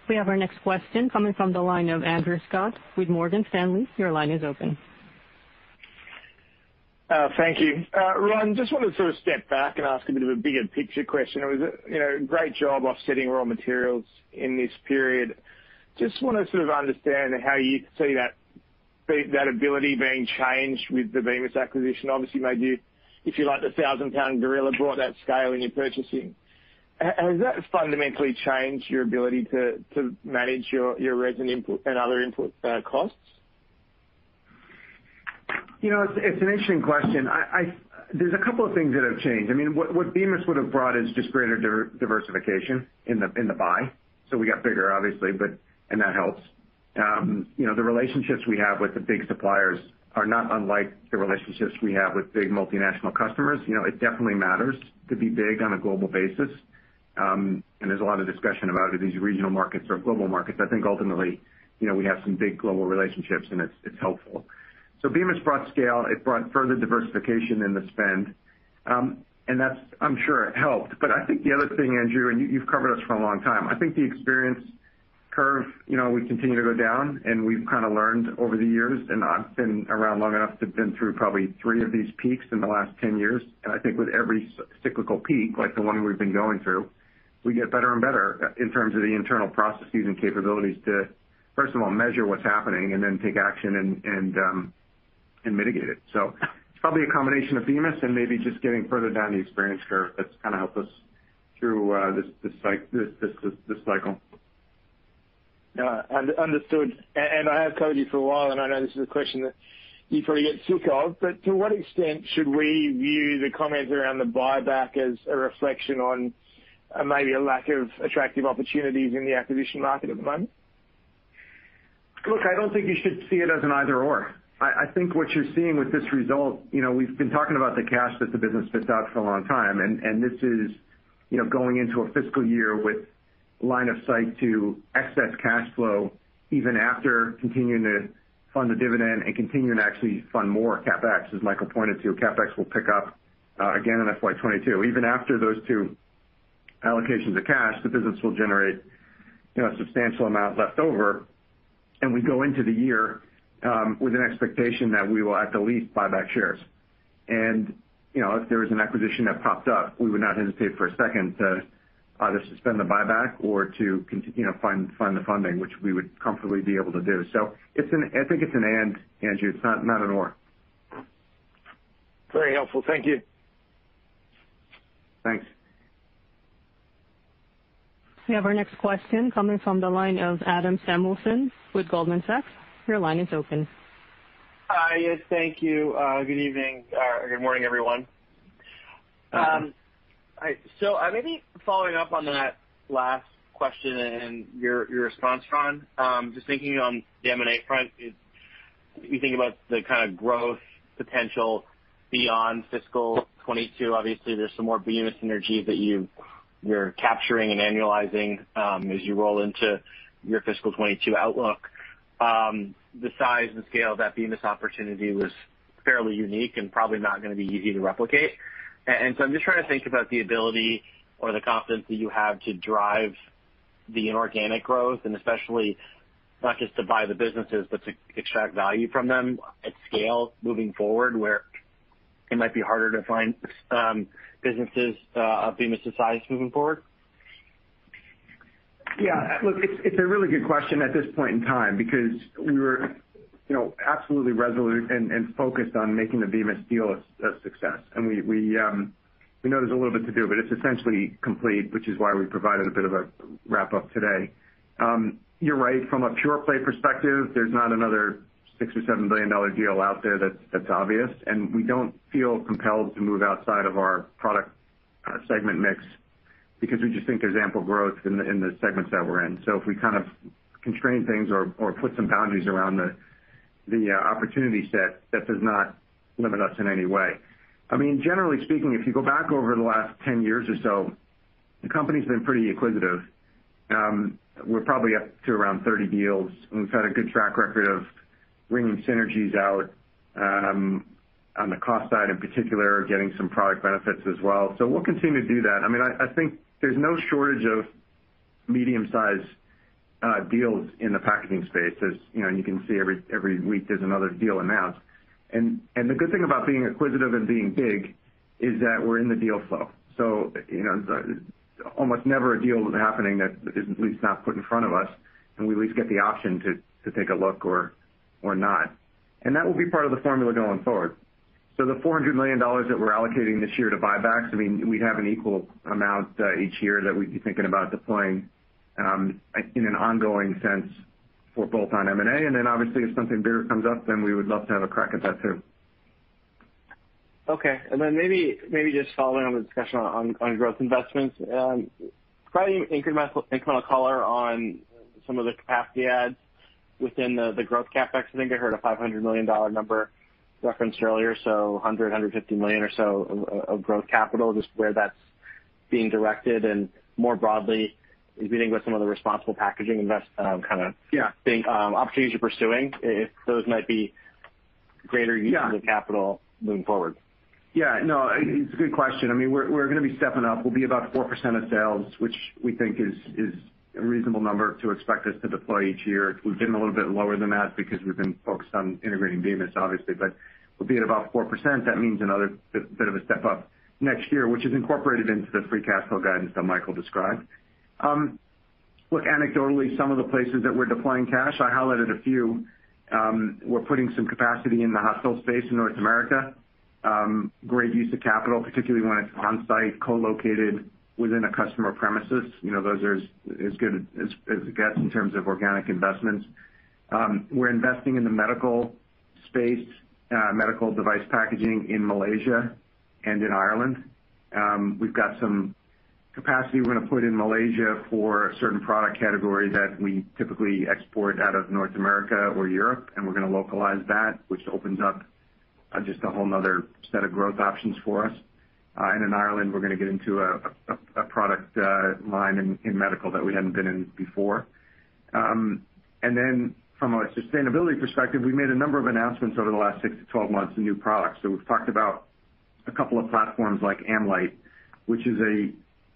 We have our next question coming from the line of Andrew Scott with Morgan Stanley. Your line is open. Thank you. Ron, just want to sort of step back and ask a bit of a bigger picture question. It was a great job offsetting raw materials in this period. Just want to sort of understand how you see that ability being changed with the Bemis acquisition. Obviously made you, if you like, the thousand-pound gorilla, brought that scale in your purchasing. Has that fundamentally changed your ability to manage your resin input and other input costs? It's an interesting question. There's a couple of things that have changed. What Bemis would have brought is just greater diversification in the buy. We got bigger obviously, and that helps. The relationships we have with the big suppliers are not unlike the relationships we have with big multinational customers. It definitely matters to be big on a global basis. There's a lot of discussion about are these regional markets or global markets. I think ultimately, we have some big global relationships and it's helpful. Bemis brought scale. It brought further diversification in the spend. That, I'm sure it helped. I think the other thing, Andrew, and you've covered us for a long time. I think the experience curve, we continue to go down and we've kind of learned over the years, and I've been around long enough to have been through probably three of these peaks in the last 10 years. I think with every cyclical peak, like the one we've been going through, we get better and better in terms of the internal processes and capabilities to, first of all, measure what's happening and then take action and mitigate it. So it's probably a combination of Bemis and maybe just getting further down the experience curve that's kind of helped us through this cycle. Yeah. Understood. I have covered you for a while, and I know this is a question that you probably get sick of. To what extent should we view the comments around the buyback as a reflection on maybe a lack of attractive opportunities in the acquisition market at the moment? Look, I don't think you should see it as an either/or. I think what you're seeing with this result, we've been talking about the cash that the business spits out for a long time. This is going into a fiscal year with line of sight to excess cash flow, even after continuing to fund the dividend and continuing to actually fund more CapEx. As Michael pointed to, CapEx will pick up again in FY 2022. Even after those two allocations of cash, the business will generate a substantial amount left over. We go into the year with an expectation that we will at the least buy back shares. If there is an acquisition that popped up, we would not hesitate for a second to either suspend the buyback or to find the funding, which we would comfortably be able to do. I think it's an and, Andrew. It's not an or. Very helpful. Thank you. Thanks. We have our next question coming from the line of Adam Samuelson with Goldman Sachs. Your line is open. Hi. Yes. Thank you. Good evening. Good morning, everyone. Maybe following up on that last question and your response, Ron. Just thinking on the M&A front is, if you think about the kind of growth potential beyond fiscal 2022, obviously there's some more Bemis synergies that you're capturing and annualizing as you roll into your fiscal 2022 outlook. The size and scale of that Bemis opportunity was fairly unique and probably not going to be easy to replicate. I'm just trying to think about the ability or the confidence that you have to drive the inorganic growth, and especially not just to buy the businesses, but to extract value from them at scale moving forward, where it might be harder to find businesses of Bemis' size moving forward. Yeah. Look, it's a really good question at this point in time, because we were absolutely resolute and focused on making the Bemis deal a success. We know there's a little bit to do, but it's essentially complete, which is why we provided a bit of a wrap-up today. You're right. From a pure-play perspective, there's not another $6 billion or $7 billion deal out there that's obvious, and we don't feel compelled to move outside of our product segment mix because we just think there's ample growth in the segments that we're in. If we kind of constrain things or put some boundaries around the opportunity set, that does not limit us in any way. Generally speaking, if you go back over the last 10 years or so, the company's been pretty acquisitive. We're probably up to around 30 deals, and we've had a good track record of wringing synergies out, on the cost side in particular, getting some product benefits as well. We'll continue to do that. I think there's no shortage of medium-sized deals in the packaging space. As you can see, every week there's another deal announced. The good thing about being acquisitive and being big is that we're in the deal flow. It's almost never a deal happening that is at least not put in front of us, and we at least get the option to take a look or not. That will be part of the formula going forward. The $400 million that we're allocating this year to buybacks, we'd have an equal amount each year that we'd be thinking about deploying, in an ongoing sense for both on M&A, and then obviously if something bigger comes up, then we would love to have a crack at that, too. Okay. Maybe just following on the discussion on growth investments, probably incremental color on some of the capacity adds within the growth CapEx. I think I heard a $500 million number referenced earlier, so $100 million-$150 million or so of growth capital. Just where that's being directed. Yeah. kind of thing, opportunities you're pursuing, if those might be greater. Yeah. uses of capital moving forward. Yeah, no, it's a good question. We're going to be stepping up. We'll be about 4% of sales, which we think is a reasonable number to expect us to deploy each year. We've been a little bit lower than that because we've been focused on integrating Bemis, obviously. We'll be at about 4%. That means another bit of a step-up next year, which is incorporated into the free cash flow guidance that Michael described. Look, anecdotally, some of the places that we're deploying cash, I highlighted a few. We're putting some capacity in the hot fill space in North America. Great use of capital, particularly when it's on-site, co-located within a customer premises. Those are as good as it gets in terms of organic investments. We're investing in the medical space, medical device packaging in Malaysia and in Ireland. We've got some capacity we're going to put in Malaysia for a certain product category that we typically export out of North America or Europe, and we're going to localize that, which opens up just a whole another set of growth options for us. In Ireland, we're going to get into a product line in medical that we hadn't been in before. From a sustainability perspective, we made a number of announcements over the last 6-12 months of new products. We've talked about a couple of platforms like AmLite, which is a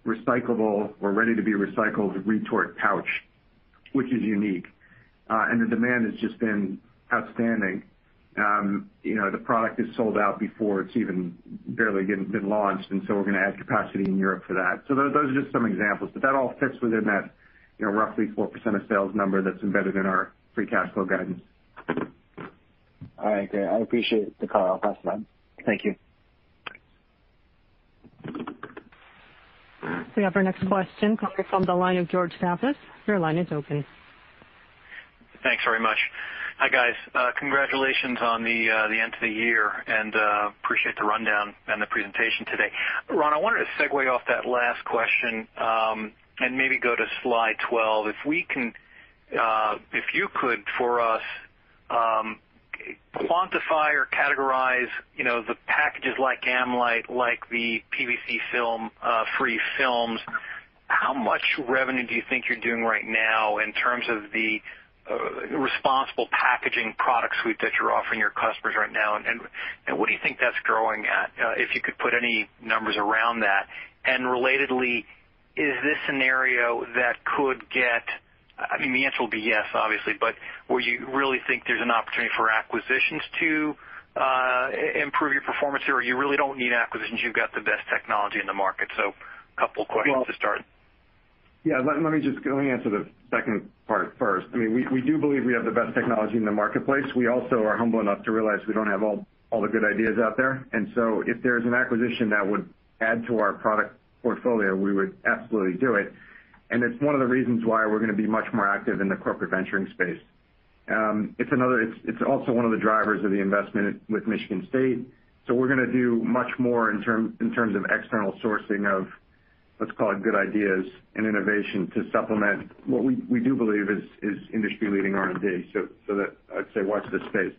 recyclable or ready-to-be-recycled retort pouch, which is unique. The demand has just been outstanding. The product is sold out before it's even barely been launched, and so we're going to add capacity in Europe for that. Those are just some examples, but that all fits within that roughly 4% of sales number that's embedded in our free cash flow guidance. All right, great. I appreciate the color. I'll pass the time. Thank you. We have our next question coming from the line of George Staphos, Bank of America Securities. Your line is open. Thanks very much. Hi, guys. Congratulations on the end to the year and appreciate the rundown and the presentation today. Ron, I wanted to segue off that last question, and maybe go to slide 12. If you could, for us, quantify or categorize the packages like AmLite, like the PVC film, free films. How much revenue do you think you're doing right now in terms of the responsible packaging product suite that you're offering your customers right now, and what do you think that's growing at? If you could put any numbers around that. Relatedly, is this a scenario that could get The answer will be yes, obviously, but where you really think there's an opportunity for acquisitions to improve your performance here, or you really don't need acquisitions, you've got the best technology in the market. Couple of questions to start. Yeah, let me just answer the second part first. We do believe we have the best technology in the marketplace. We also are humble enough to realize we don't have all the good ideas out there. If there's an acquisition that would add to our product portfolio, we would absolutely do it. It's one of the reasons why we're going to be much more active in the corporate venturing space. It's also one of the drivers of the investment with Michigan State. We're going to do much more in terms of external sourcing of, let's call it, good ideas and innovation to supplement what we do believe is industry-leading R&D. I'd say watch this space.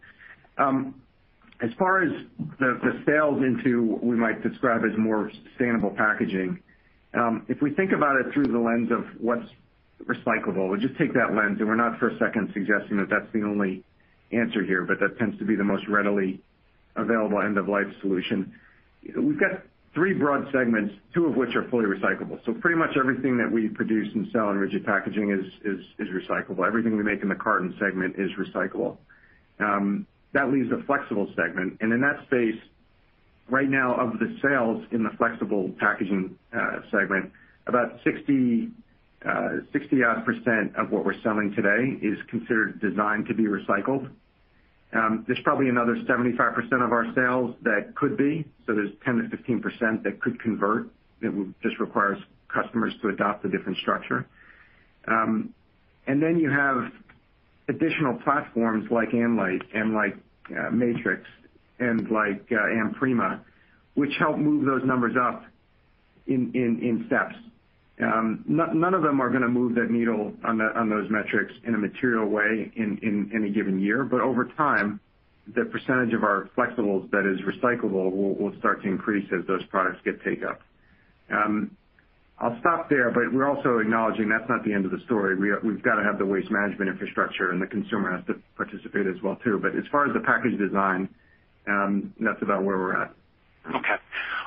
As far as the sales into we might describe as more sustainable packaging. If we think about it through the lens of what's recyclable, we'll just take that lens, and we're not for a second suggesting that that's the only answer here, but that tends to be the most readily available end-of-life solution. We've got three broad segments, two of which are fully recyclable. Pretty much everything that we produce and sell in rigid packaging is recyclable. Everything we make in the carton segment is recyclable. That leaves the flexible segment. In that space, right now, of the sales in the flexible packaging segment, about 60% of what we're selling today is considered designed to be recycled. There's probably another 75% of our sales that could be. There's 10%-15% that could convert, that would just require customers to adopt a different structure. You have additional platforms like AmLite and like Matrix and like AmPrima, which help move those numbers up in steps. None of them are going to move that needle on those metrics in a material way in any given year. Over time, the percentage of our flexibles that is recyclable will start to increase as those products get take up. I'll stop there, but we're also acknowledging that's not the end of the story. We've got to have the waste management infrastructure, and the consumer has to participate as well, too. As far as the package design, that's about where we're at. Okay.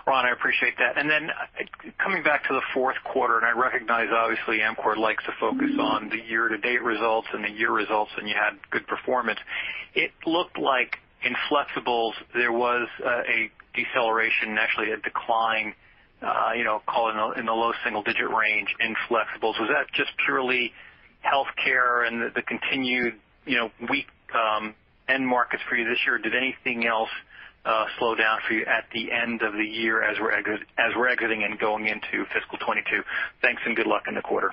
Ron, I appreciate that. Coming back to the fourth quarter, I recognize, obviously, Amcor likes to focus on the year-to-date results and the year results, and you had good performance. It looked like in flexibles, there was a deceleration and actually a decline, call it in the low single-digit range in flexibles. Was that just purely healthcare and the continued weak end markets for you this year? Did anything else slow down for you at the end of the year as we're exiting and going into fiscal 2022? Thanks, and good luck in the quarter.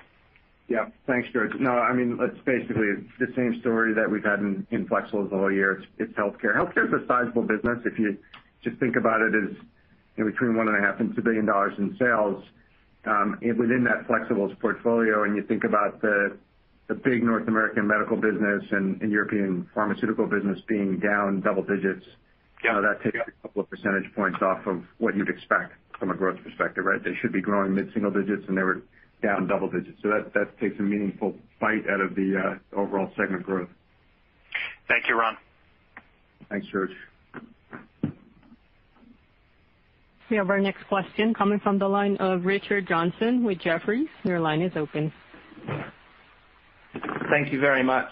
Yeah. Thanks, George. No, it's basically the same story that we've had in flexibles all year. It's healthcare. Healthcare is a sizable business. If you just think about it as between $1.5 billion and $2 billion in sales within that flexibles portfolio, and you think about the big North American medical business and European pharmaceutical business being down double digits. Yeah. That takes a couple of percentage points off of what you'd expect from a growth perspective, right? They should be growing mid-single digits, and they were down double digits. That takes a meaningful bite out of the overall segment growth. Thank you, Ron. Thanks, George. We have our next question coming from the line of Richard Johnson with Jefferies. Your line is open. Thank you very much.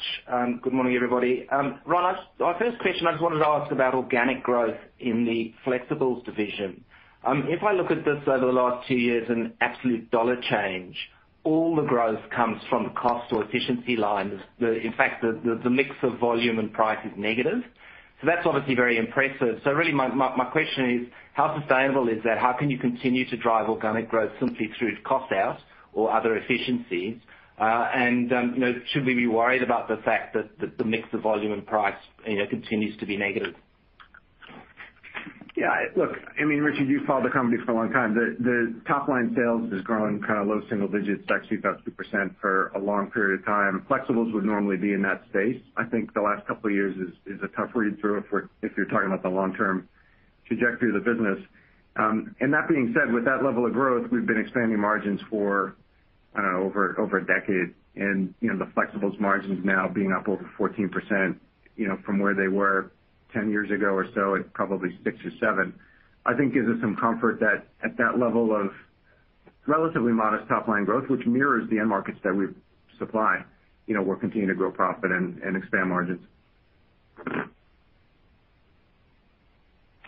Good morning, everybody. Ron, our first question, I just wanted to ask about organic growth in the flexibles division. If I look at this over the last two years in absolute dollar change, all the growth comes from the cost or efficiency line. In fact, the mix of volume and price is negative. That's obviously very impressive. Really, my question is, how sustainable is that? How can you continue to drive organic growth simply through cost out or other efficiencies? Should we be worried about the fact that the mix of volume and price continues to be negative? Yeah, look, Richard, you've followed the company for a long time. The top-line sales has grown kind of low single digits to actually about 2% for a long period of time. Flexibles would normally be in that space. I think the last couple of years is a tough read through if you're talking about the long-term trajectory of the business. That being said, with that level of growth, we've been expanding margins for, I don't know, over a decade. The flexibles margins now being up over 14% from where they were 10 years ago or so at probably 6% or 7%, I think gives us some comfort that at that level of relatively modest top-line growth, which mirrors the end markets that we supply, we're continuing to grow profit and expand margins.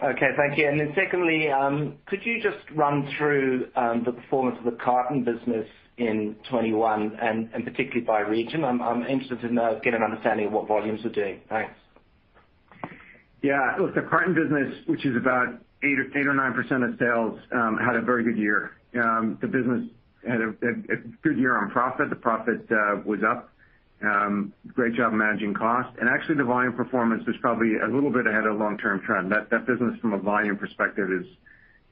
Okay, thank you. Secondly, could you just run through the performance of the carton business in 2021, particularly by region? I'm interested to get an understanding of what volumes are doing. Thanks. Look, the carton business, which is about 8% or 9% of sales, had a very good year. The business had a good year on profit. The profit was up. Great job managing cost. Actually, the volume performance was probably a little bit ahead of long-term trend. That business, from a volume perspective, is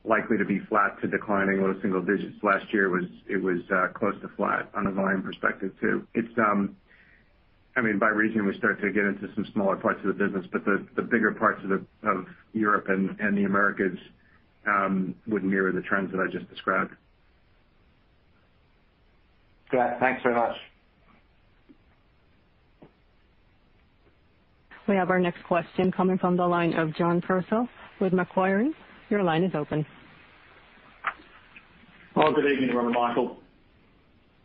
likely to be flat to declining low single digits. Last year, it was close to flat on a volume perspective, too. By region, we start to get into some smaller parts of the business, but the bigger parts of Europe and the Americas would mirror the trends that I just described. Got it. Thanks very much. We have our next question coming from the line of John Purtell with Macquarie. Your line is open. Oh, good evening, Ron and Michael.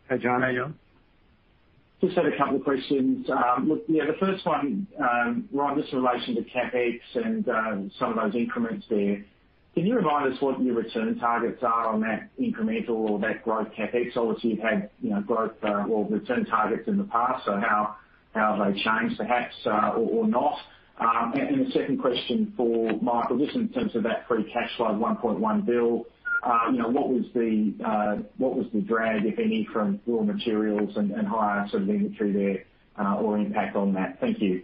Hey, John. How you going? Just had a couple of questions. The first one, Ron, just in relation to CapEx and some of those increments there. Can you remind us what your return targets are on that incremental or that growth CapEx? Obviously, you've had growth or return targets in the past. How have they changed, perhaps, or not? The second question for Michael, just in terms of that free cash flow of $1.1 billion, what was the drag, if any, from raw materials and higher sort of inventory there or impact on that? Thank you.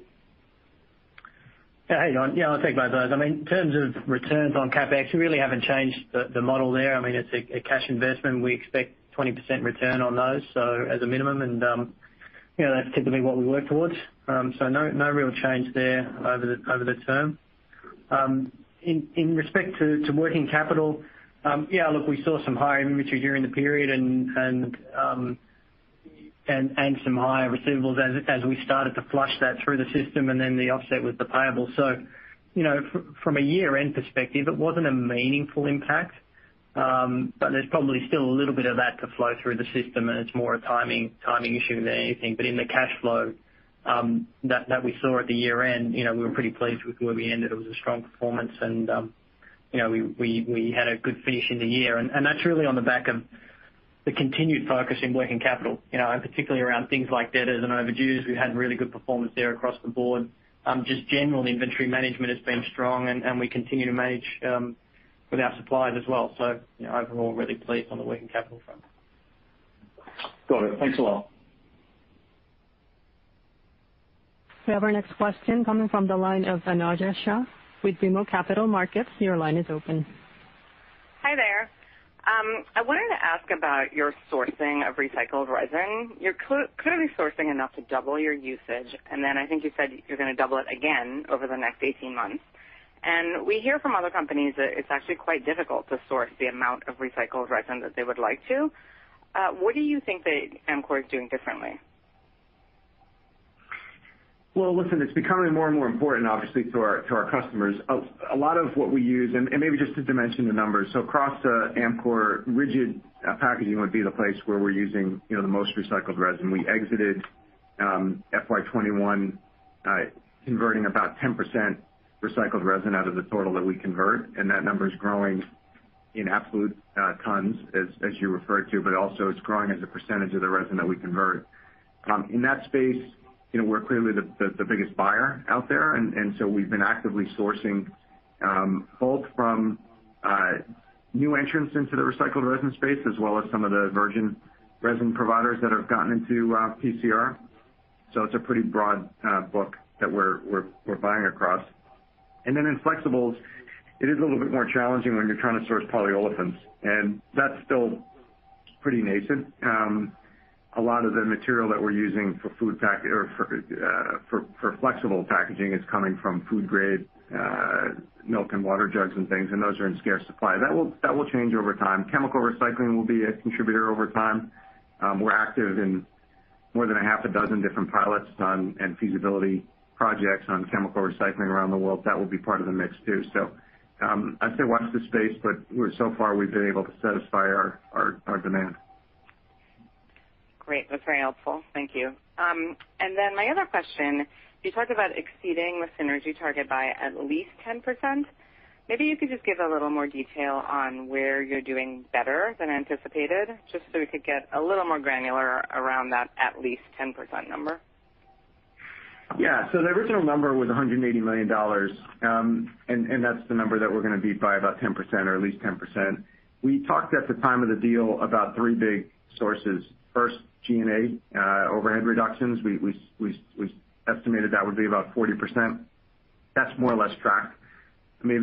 Yeah, how you doing? Yeah, I'll take both of those. In terms of returns on CapEx, we really haven't changed the model there. It's a cash investment. We expect 20% return on those, so as a minimum, and that's typically what we work towards. No real change there over the term. In respect to working capital, yeah, look, we saw some higher inventory during the period and some higher receivables as we started to flush that through the system and then the offset with the payables. From a year-end perspective, it wasn't a meaningful impact. There's probably still a little bit of that to flow through the system, and it's more a timing issue than anything. In the cash flow that we saw at the year-end, we were pretty pleased with where we ended. It was a strong performance, and we had a good finish in the year. That's really on the back of the continued focus in working capital, and particularly around things like debtors and overdues. We've had really good performance there across the board. Just general inventory management has been strong, and we continue to manage with our suppliers as well. Overall, really pleased on the working capital front. Got it. Thanks a lot. We have our next question coming from the line of Anojja Shah with BMO Capital Markets. Your line is open. Hi there. I wanted to ask about your sourcing of recycled resin. You're clearly sourcing enough to double your usage, then I think you said you're going to double it again over the next 18 months. We hear from other companies that it's actually quite difficult to source the amount of recycled resin that they would like to. What do you think that Amcor is doing differently? Well, listen, it's becoming more and more important, obviously, to our customers. A lot of what we use, and maybe just to dimension the numbers, so across Amcor, rigid packaging would be the place where we're using the most recycled resin. We exited FY 2021 converting about 10% recycled resin out of the total that we convert, and that number's growing in absolute tons, as you referred to, but also it's growing as a percentage of the resin that we convert. In that space, we're clearly the biggest buyer out there, and so we've been actively sourcing both from new entrants into the recycled resin space as well as some of the virgin resin providers that have gotten into PCR. It's a pretty broad book that we're buying across. Then in flexibles, it is a little bit more challenging when you're trying to source polyolefins, and that's still pretty nascent. A lot of the material that we're using for flexible packaging is coming from food-grade, milk, and water jugs and things, and those are in scarce supply. That will change over time. Chemical recycling will be a contributor over time. We're active in more than a half a dozen different pilots and feasibility projects on chemical recycling around the world. That will be part of the mix, too. I'd say watch this space, but so far, we've been able to satisfy our demand. Great. That's very helpful. Thank you. My other question, you talked about exceeding the synergy target by at least 10%. Maybe you could just give a little more detail on where you're doing better than anticipated, just so we could get a little more granular around that at least 10% number. The original number was $180 million, and that's the number that we're going to beat by about 10% or at least 10%. We talked at the time of the deal about three big sources. First, G&A, overhead reductions. We estimated that would be about 40%. That's more or less tracked. We're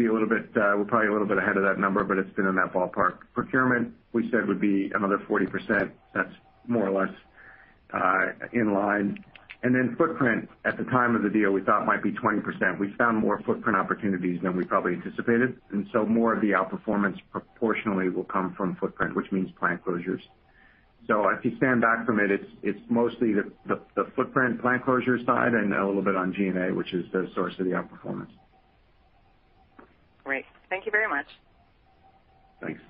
probably a little bit ahead of that number, but it's been in that ballpark. Procurement, we said, would be another 40%. That's more or less in line. Footprint, at the time of the deal, we thought might be 20%. We found more footprint opportunities than we probably anticipated, more of the outperformance proportionally will come from footprint, which means plant closures. If you stand back from it's mostly the footprint plant closure side and a little bit on G&A, which is the source of the outperformance. Great. Thank you very much. Thanks.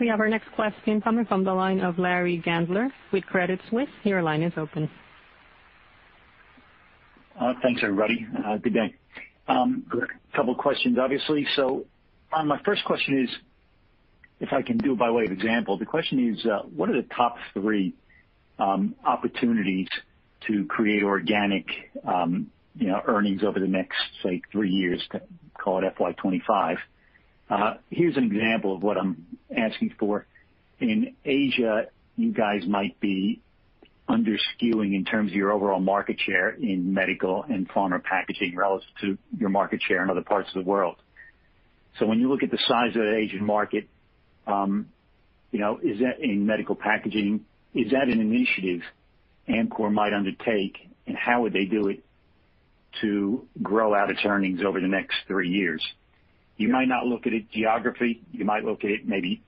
We have our next question coming from the line of Larry Gandler with Credit Suisse. Your line is open. Thanks, everybody. Good day. Couple questions, obviously. My first question is, if I can do it by way of example, the question is, what are the top three opportunities to create organic earnings over the next, say, three years, call it FY 2025? Here's an example of what I'm asking for. In Asia, you guys might be under-skewing in terms of your overall market share in medical and pharma packaging relative to your market share in other parts of the world. When you look at the size of the Asian market, in medical packaging, is that an initiative Amcor might undertake, and how would they do it to grow out its earnings over the next three years? You might not look at it geography. You might look at it maybe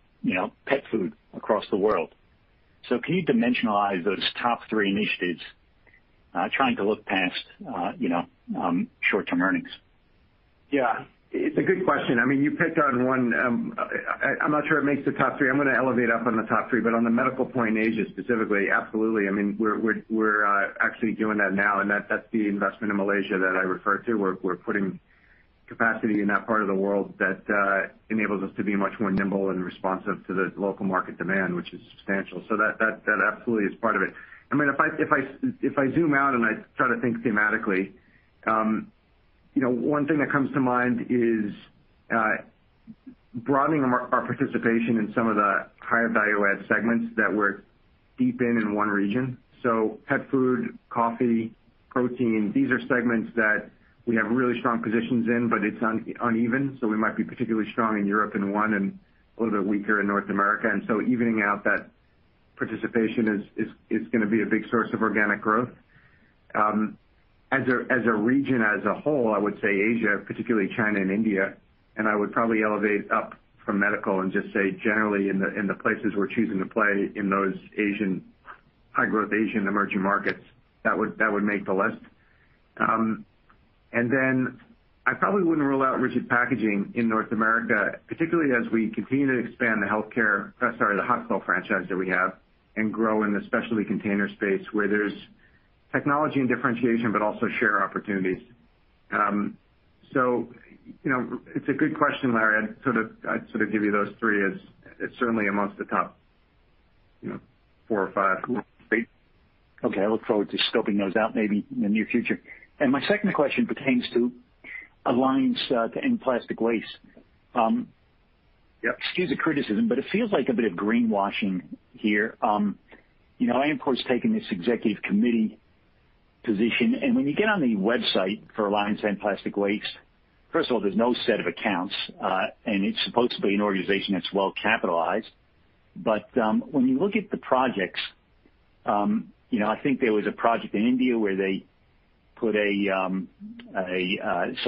pet food across the world. Can you dimensionalize those top three initiatives, trying to look past short-term earnings? Yeah. It's a good question. You picked on one. I'm not sure it makes the top three. I'm going to elevate up on the top three. On the medical point in Asia specifically, absolutely. We're actually doing that now, and that's the investment in Malaysia that I referred to, where we're putting capacity in that part of the world that enables us to be much more nimble and responsive to the local market demand, which is substantial. That absolutely is part of it. If I zoom out and I try to think thematically, one thing that comes to mind is broadening our participation in some of the higher value add segments that we're deep in in one region. Pet food, coffee, protein, these are segments that we have really strong positions in, but it's uneven. We might be particularly strong in Europe in one and a little bit weaker in North America. Evening out that participation is going to be a big source of organic growth. As a region, as a whole, I would say Asia, particularly China and India, and I would probably elevate up from medical and just say generally in the places we're choosing to play in those high-growth Asian emerging markets, that would make the list. I probably wouldn't rule out rigid packaging in North America, particularly as we continue to expand the hot fill franchise that we have and grow in the specialty container space where there's technology and differentiation, but also share opportunities. It's a good question, Larry. I'd give you those three as certainly amongst the top four or five. Cool. Okay. I look forward to scoping those out maybe in the near future. My second question pertains to Alliance to End Plastic Waste. Yep. Excuse the criticism, it feels like a bit of greenwashing here. Amcor's taking this executive committee position, and when you get on the website for Alliance to End Plastic Waste, first of all, there's no set of accounts. It's supposed to be an organization that's well-capitalized. When you look at the projects, I think there was a project in India where they put some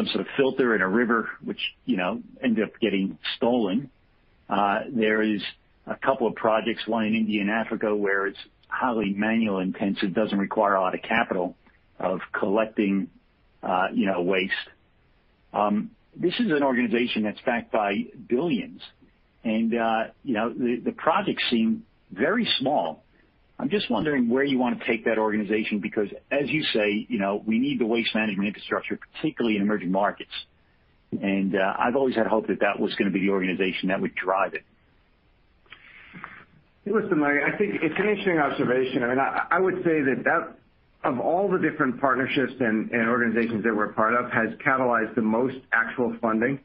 sort of filter in a river, which ended up getting stolen. There is a couple of projects, one in India and Africa, where it's highly manual intensive, doesn't require a lot of capital of collecting waste. This is an organization that's backed by billions, and the projects seem very small. I'm just wondering where you want to take that organization, because as you say, we need the waste management infrastructure, particularly in emerging markets. I've always had hope that that was going to be the organization that would drive it. Listen, Larry, I think it's an interesting observation. I would say that, of all the different partnerships and organizations that we're a part of, has catalyzed the most actual funding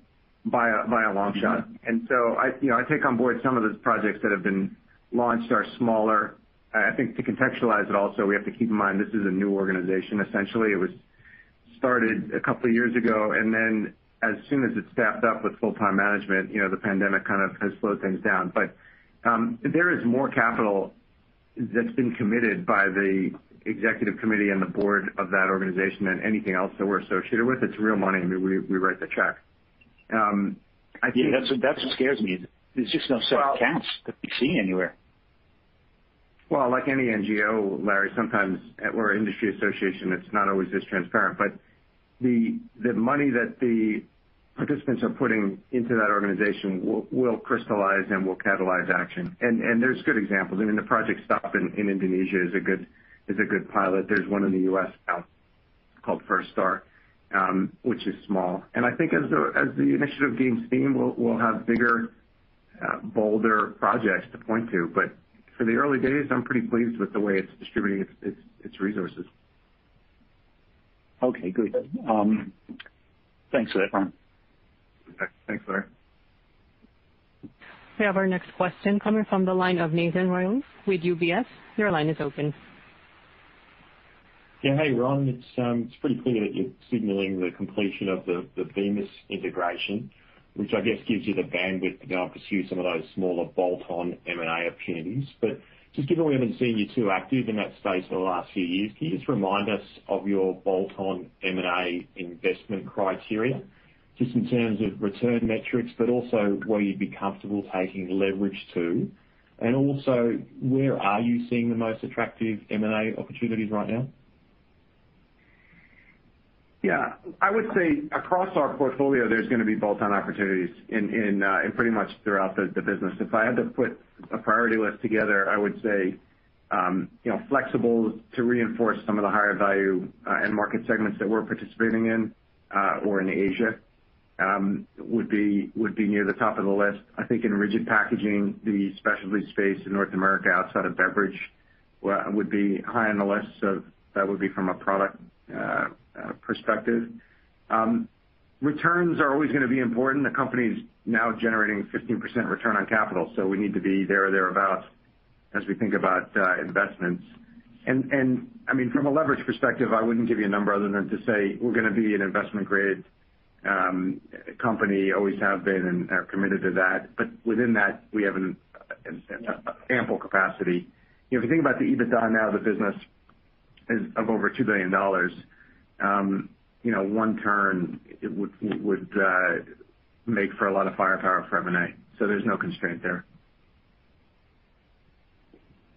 by a long shot. I take on board some of the projects that have been launched are smaller. I think to contextualize it all, so we have to keep in mind, this is a new organization, essentially. It was started a couple of years ago, and then as soon as it staffed up with full-time management, the pandemic has slowed things down. There is more capital that's been committed by the executive committee and the board of that organization than anything else that we're associated with. It's real money. We write the check. Yeah, that's what scares me. There's just no set of accounts that we've seen anywhere. Well, like any NGO, Larry, sometimes or industry association, it's not always this transparent. The money that the participants are putting into that organization will crystallize and will catalyze action. There's good examples. The Project STOP in Indonesia is a good pilot. There's one in the U.S. now called First Star, which is small. I think as the initiative gains steam, we'll have bigger, bolder projects to point to. For the early days, I'm pretty pleased with the way it's distributing its resources. Okay, good. Thanks for that, Ron. Thanks, Larry. We have our next question coming from the line of Nathan Reilly with UBS. Your line is open. Yeah. Hey, Ron. It's pretty clear that you're signaling the completion of the Bemis integration, which I guess gives you the bandwidth to now pursue some of those smaller bolt-on M&A opportunities. Just given we haven't seen you too active in that space for the last few years, can you just remind us of your bolt-on M&A investment criteria, just in terms of return metrics, but also where you'd be comfortable taking leverage to? Also, where are you seeing the most attractive M&A opportunities right now? Yeah. I would say across our portfolio, there's going to be bolt-on opportunities in pretty much throughout the business. If I had to put a priority list together, I would say flexible to reinforce some of the higher value end market segments that we're participating in, or in Asia, would be near the top of the list. I think in rigid packaging, the specialty space in North America outside of beverage would be high on the list. That would be from a product perspective. Returns are always going to be important. The company's now generating 15% return on capital, we need to be there or thereabout as we think about investments. From a leverage perspective, I wouldn't give you a number other than to say we're going to be an investment-grade company, always have been and are committed to that. Within that, we have an ample capacity. If you think about the EBITDA now of the business is over $2 billion. One turn would make for a lot of firepower for M&A. There's no constraint there.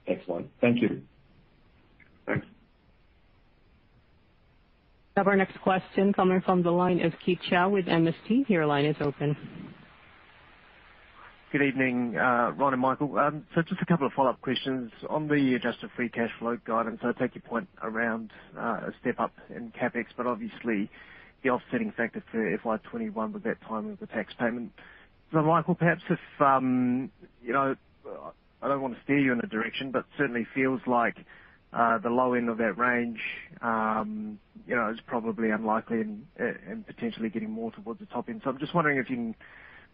Excellent. Thank you. Thanks. We have our next question coming from the line of Keith Chau with MST. Your line is open. Good evening, Ron and Michael. Just a couple of follow-up questions. On the adjusted free cash flow guidance, I take your point around a step-up in CapEx, but obviously the offsetting factor for FY 2021 was that timing of the tax payment. Michael, perhaps if, I don't want to steer you in a direction, but certainly feels like the low end of that range is probably unlikely and potentially getting more towards the top end. I'm just wondering if you can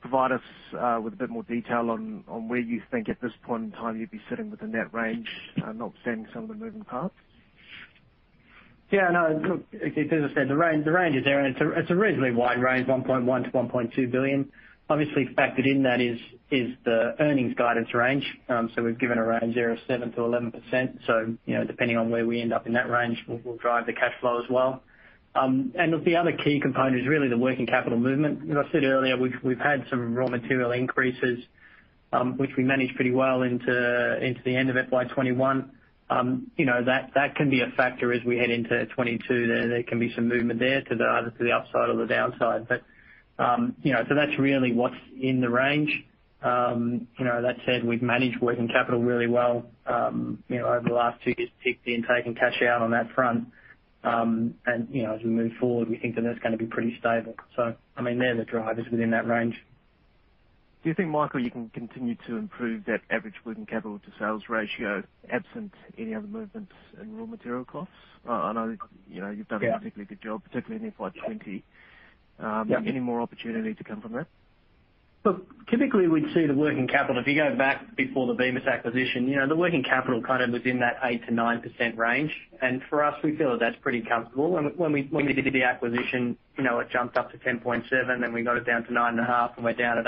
provide us with a bit more detail on where you think at this point in time you'd be sitting within that range, notwithstanding some of the moving parts. As I said, the range is there, and it's a reasonably wide range, $1.1 billion-$1.2 billion. Obviously, factored in that is the earnings guidance range. We've given a range there of 7%-11%. Depending on where we end up in that range, will drive the cash flow as well. The other key component is really the working capital movement. As I said earlier, we've had some raw material increases, which we managed pretty well into the end of FY 2021. That can be a factor as we head into 2022. There can be some movement there to either to the upside or the downside. That's really what's in the range. That said, we've managed working capital really well over the last two years, taking cash out on that front. As we move forward, we think that that's going to be pretty stable. They're the drivers within that range. Do you think, Michael, you can continue to improve that average working capital to sales ratio absent any other movements in raw material costs? I know you've done a particularly good job, particularly in FY 2020. Yeah. Any more opportunity to come from that? Look, typically, we'd see the working capital, if you go back before the Bemis acquisition, the working capital kind of was in that 8%-9% range. For us, we feel that that's pretty comfortable. When we did the acquisition, it jumped up to 10.7%, then we got it down to 9.5% and we're down at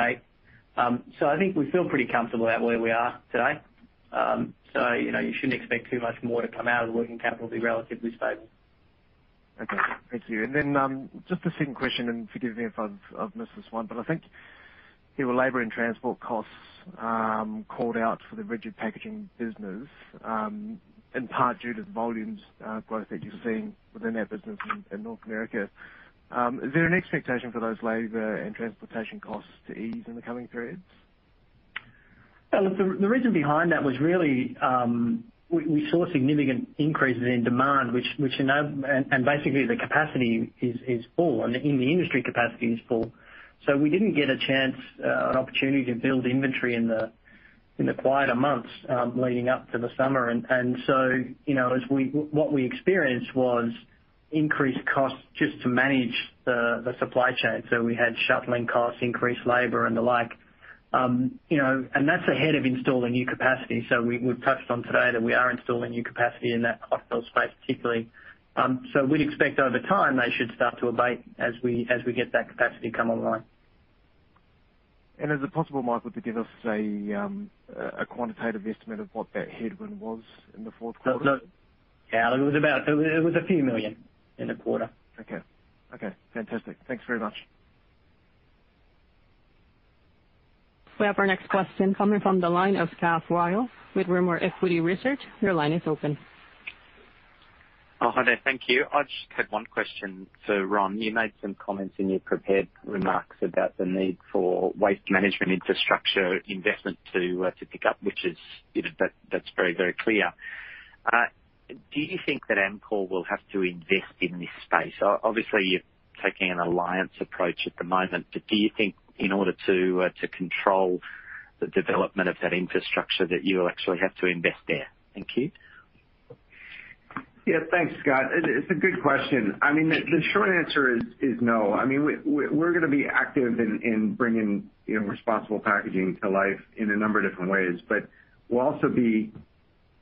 8%. I think we feel pretty comfortable about where we are today. You shouldn't expect too much more to come out of the working capital, be relatively stable. Okay. Thank you. Just a second question, and forgive me if I've missed this one, but I think your labor and transport costs called out for the rigid packaging business, in part due to the volumes growth that you're seeing within that business in North America. Is there an expectation for those labor and transportation costs to ease in the coming periods? Look, the reason behind that was really, we saw significant increases in demand, basically the capacity is full, in the industry capacity is full. We didn't get a chance, an opportunity to build inventory in the quieter months leading up to the summer. What we experienced was increased costs just to manage the supply chain. We had shuttling costs, increased labor, and the like. That's ahead of installing new capacity. We've touched on today that we are installing new capacity in that hot fill space particularly. We'd expect over time, they should start to abate as we get that capacity come online. Is it possible, Michael, to give us a quantitative estimate of what that headwind was in the fourth quarter? Yeah, it was a $ few million in the quarter. Okay. Fantastic. Thanks very much. We have our next question coming from the line of Scott Ryall with Rimor Equity Research. Your line is open. Oh, hi there. Thank you. I just had one question for Ron. You made some comments in your prepared remarks about the need for waste management infrastructure investment to pick up, which is very, very clear. Do you think that Amcor will have to invest in this space? Obviously, you're taking an alliance approach at the moment, but do you think in order to control the development of that infrastructure, that you will actually have to invest there? Thank you. Yeah. Thanks, Scott. It's a good question. The short answer is no. We're going to be active in bringing responsible packaging to life in a number of different ways, but we'll also be,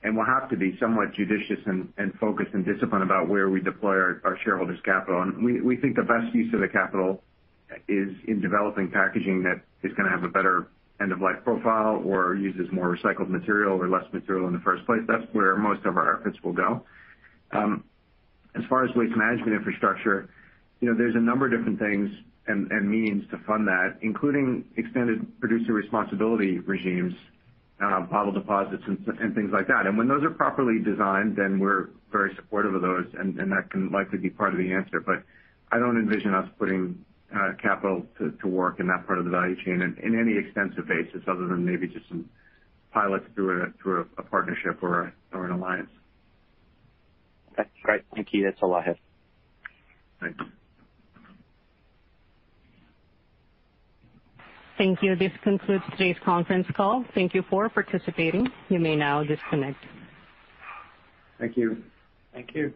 and we'll have to be somewhat judicious and focused and disciplined about where we deploy our shareholders' capital. We think the best use of the capital is in developing packaging that is going to have a better end-of-life profile or uses more recycled material or less material in the first place. That's where most of our efforts will go. As far as waste management infrastructure, there's a number of different things and means to fund that, including extended producer responsibility regimes, bottle deposits, and things like that. When those are properly designed, then we're very supportive of those, and that can likely be part of the answer. I don't envision us putting capital to work in that part of the value chain in any extensive basis other than maybe just some pilots through a partnership or an alliance. That's great. Thank you. That's all I have. Thanks. Thank you. This concludes today's conference call. Thank you for participating. You may now disconnect. Thank you. Thank you.